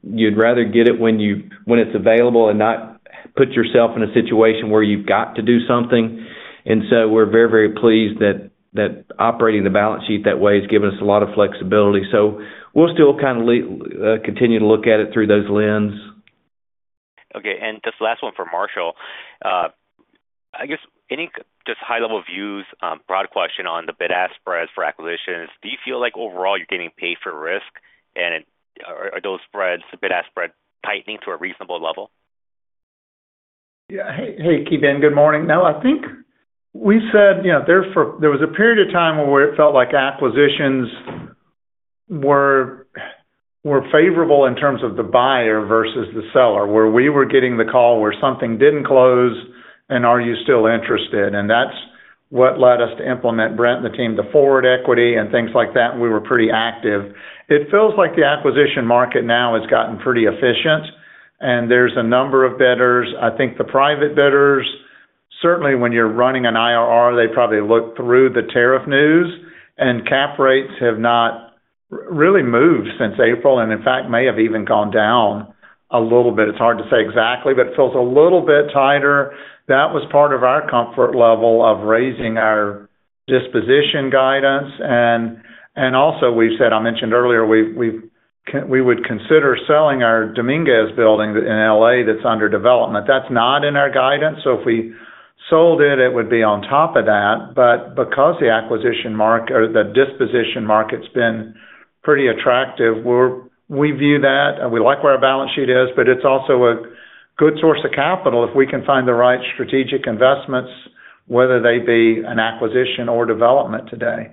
You'd rather get it when it's available and not put yourself in a situation where you've got to do something. And so we're very, very pleased that operating the balance sheet that way has given us a lot of flexibility. So we'll still kind of continue to look at it through those lens. Okay. And just last one for Marshall. I guess any just high level views, broad question on the bid ask spreads for acquisitions. Do you feel like overall you're getting paid for risk? And are those spreads, bid ask spread tightening to a reasonable level? Yes. Hey, Ki Bin, good morning. Now I think we said, there was a period of time where it felt like acquisitions were favorable in terms of the buyer versus the seller, where we were getting the call where something didn't close and are you still interested? And that's what led us to implement Brent and the team, the forward equity and things like that. We were pretty active. It feels like the acquisition market now has gotten pretty efficient and there's a number of bidders. I think the private bidders, certainly when you're running an IRR, they probably look through the tariff news and cap rates have not really moved since April and in fact may have even gone down a little bit. It's hard to say exactly, but it feels a little bit tighter. That was part of our comfort level of raising our disposition guidance. And also we've said, I mentioned earlier, we would consider selling our Dominguez Building in LA that's under development. That's not in our guidance. So if we sold it, it would be on top of that. But because the acquisition market or the disposition market has been pretty attractive, We view that and we like where our balance sheet is, but it's also a good source of capital if we can find the right strategic investments, whether they be an acquisition or development today.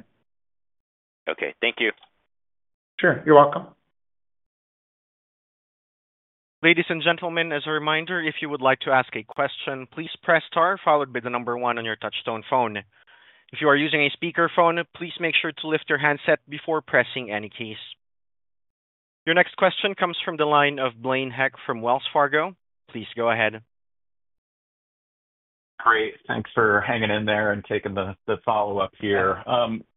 Okay. Thank you. Sure. You're welcome. Your next question comes from the line of Blaine Heck from Wells Fargo. Please go ahead. Great. Thanks for hanging in there and taking the follow-up here.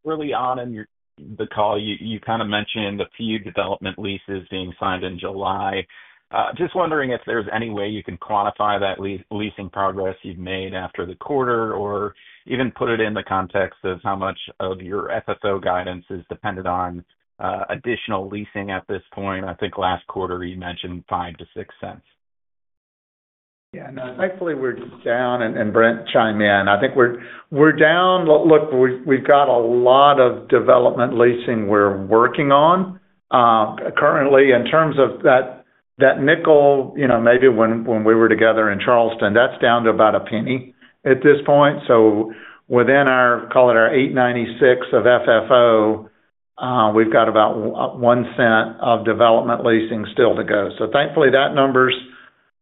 Really on in the call, kind of mentioned a few development leases being signed in July. Just wondering if there's any way you can quantify that leasing progress you've made after the quarter or even put it in the context of how much of your FFO guidance is dependent on additional leasing at this point? Think last quarter you mentioned $05 to $06 Yes. And thankfully, we're down and Brent chime in. I think we're down. Look, we've got a lot of development leasing we're working on. Currently in terms of that nickel, maybe when we were together in Charleston, that's down to about a penny at this point. So within our call it our eight ninety six of FFO, we've got about $01 of development leasing still to go. So thankfully that numbers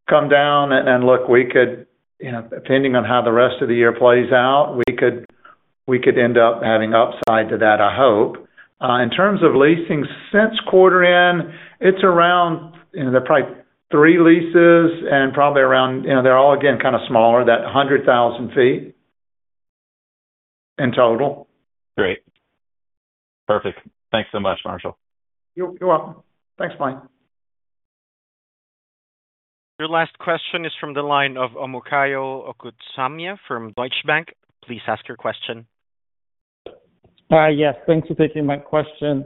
come down and look, we could depending on how the rest of the year plays out, we could end up having upside to that, I hope. In terms of leasing since quarter end, it's around the price three leases and probably around they're all again kind of smaller that 100,000 feet in total. Great. Perfect. Thanks so much, Marshall. You're welcome. Thanks, Mike. Your last question is from the line of Omokayo Okusanya from Deutsche Bank. Please ask your question. Yes. Thanks for taking my question.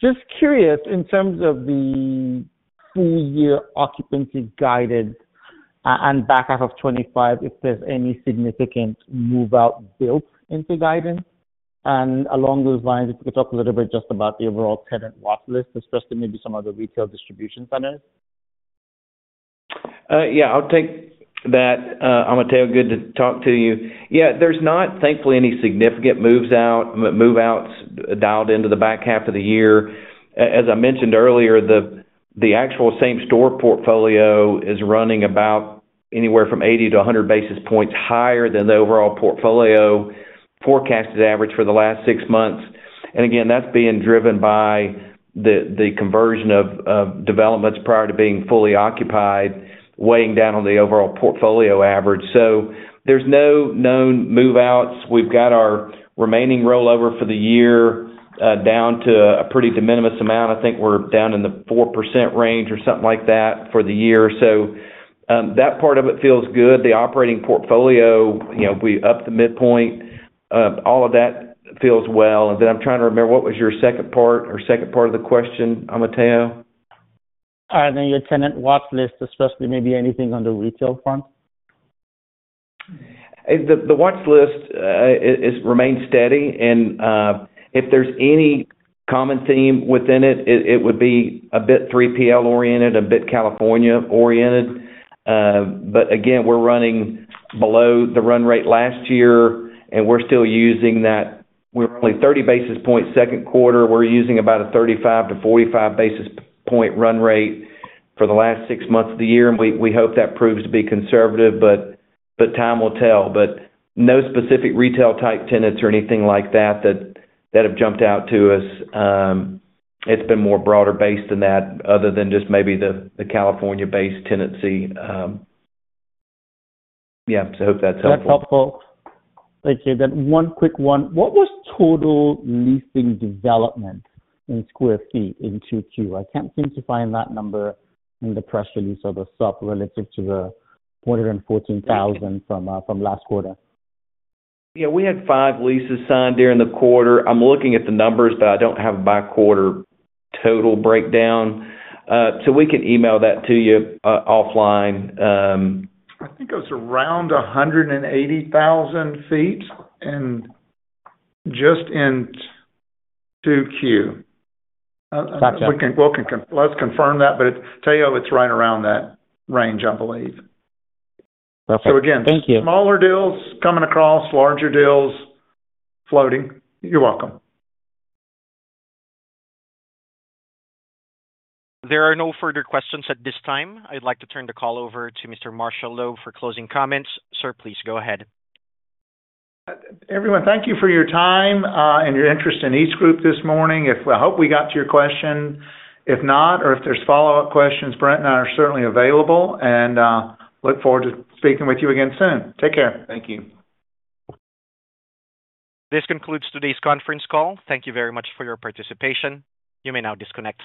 Just curious in terms of the full year occupancy guidance and back half of '25, if there's any significant move out built into guidance. And along those lines, you could talk a little bit just about the overall tenant walk list, especially maybe some other retail distribution centers. Yes, I'll take that. Amitav, good to talk to you. Yes, there's not thankfully any significant moves out move outs dialed into the back half of the year. As I mentioned earlier, the actual same store portfolio is running about anywhere from 80 to 100 basis points higher than the overall portfolio forecasted average for the last six months. And again, that's being driven by the conversion of developments prior to being fully occupied weighing down on the overall portfolio average. So there's no known move outs. We've got our remaining rollover for the year down to a pretty de minimis amount. I think we're down in the 4% range or something like that for the year. So, that part of it feels good. The operating portfolio, we up the midpoint. All of that feels well. And then I'm trying to remember what was your second part or second part of the question, Amateo? I mean, your tenant watch list, especially maybe anything on the retail front. The watch list has remained steady. And if there's any common theme within it, it would be a bit 3PL oriented, a bit California oriented. But again, we're running below the run rate last year and we're still using that we're only 30 basis points second quarter, we're using about a 35 to 45 basis point run rate for the last six months of the year and we hope that proves to be conservative, but time will tell. But no specific retail type tenants or anything like that, that have jumped out to us. It's been more broader based than that other than just maybe California based tenancy. Yeah. So I hope that's helpful. That's helpful. Okay. Then one quick one. What was total leasing development in square feet in 2Q? I can't seem to find that number in the press release of the sub relative to the $414,000 from last quarter. Yeah, we had five leases signed during the quarter. I'm looking at the numbers, but I don't have by quarter total breakdown. So we can email that to you offline. I think it was around 180,000 feet and just in 2Q. Gotcha. Let's confirm that, Tayo, it's right around that range, I believe. Perfect. So again, smaller deals coming across, larger deals floating. You're welcome. There are no further questions at this time. I'd like to turn the call over to Mr. Marshall Lowe for closing comments. Sir, please go ahead. Everyone, thank you for your time and your interest in EastGroup this morning. Hope we got to your question. If not or if there's follow-up questions, Brent and I are certainly available and look forward to speaking with you again soon. Take care. Thank you. This concludes today's conference call. Thank you very much for your participation. You may now disconnect.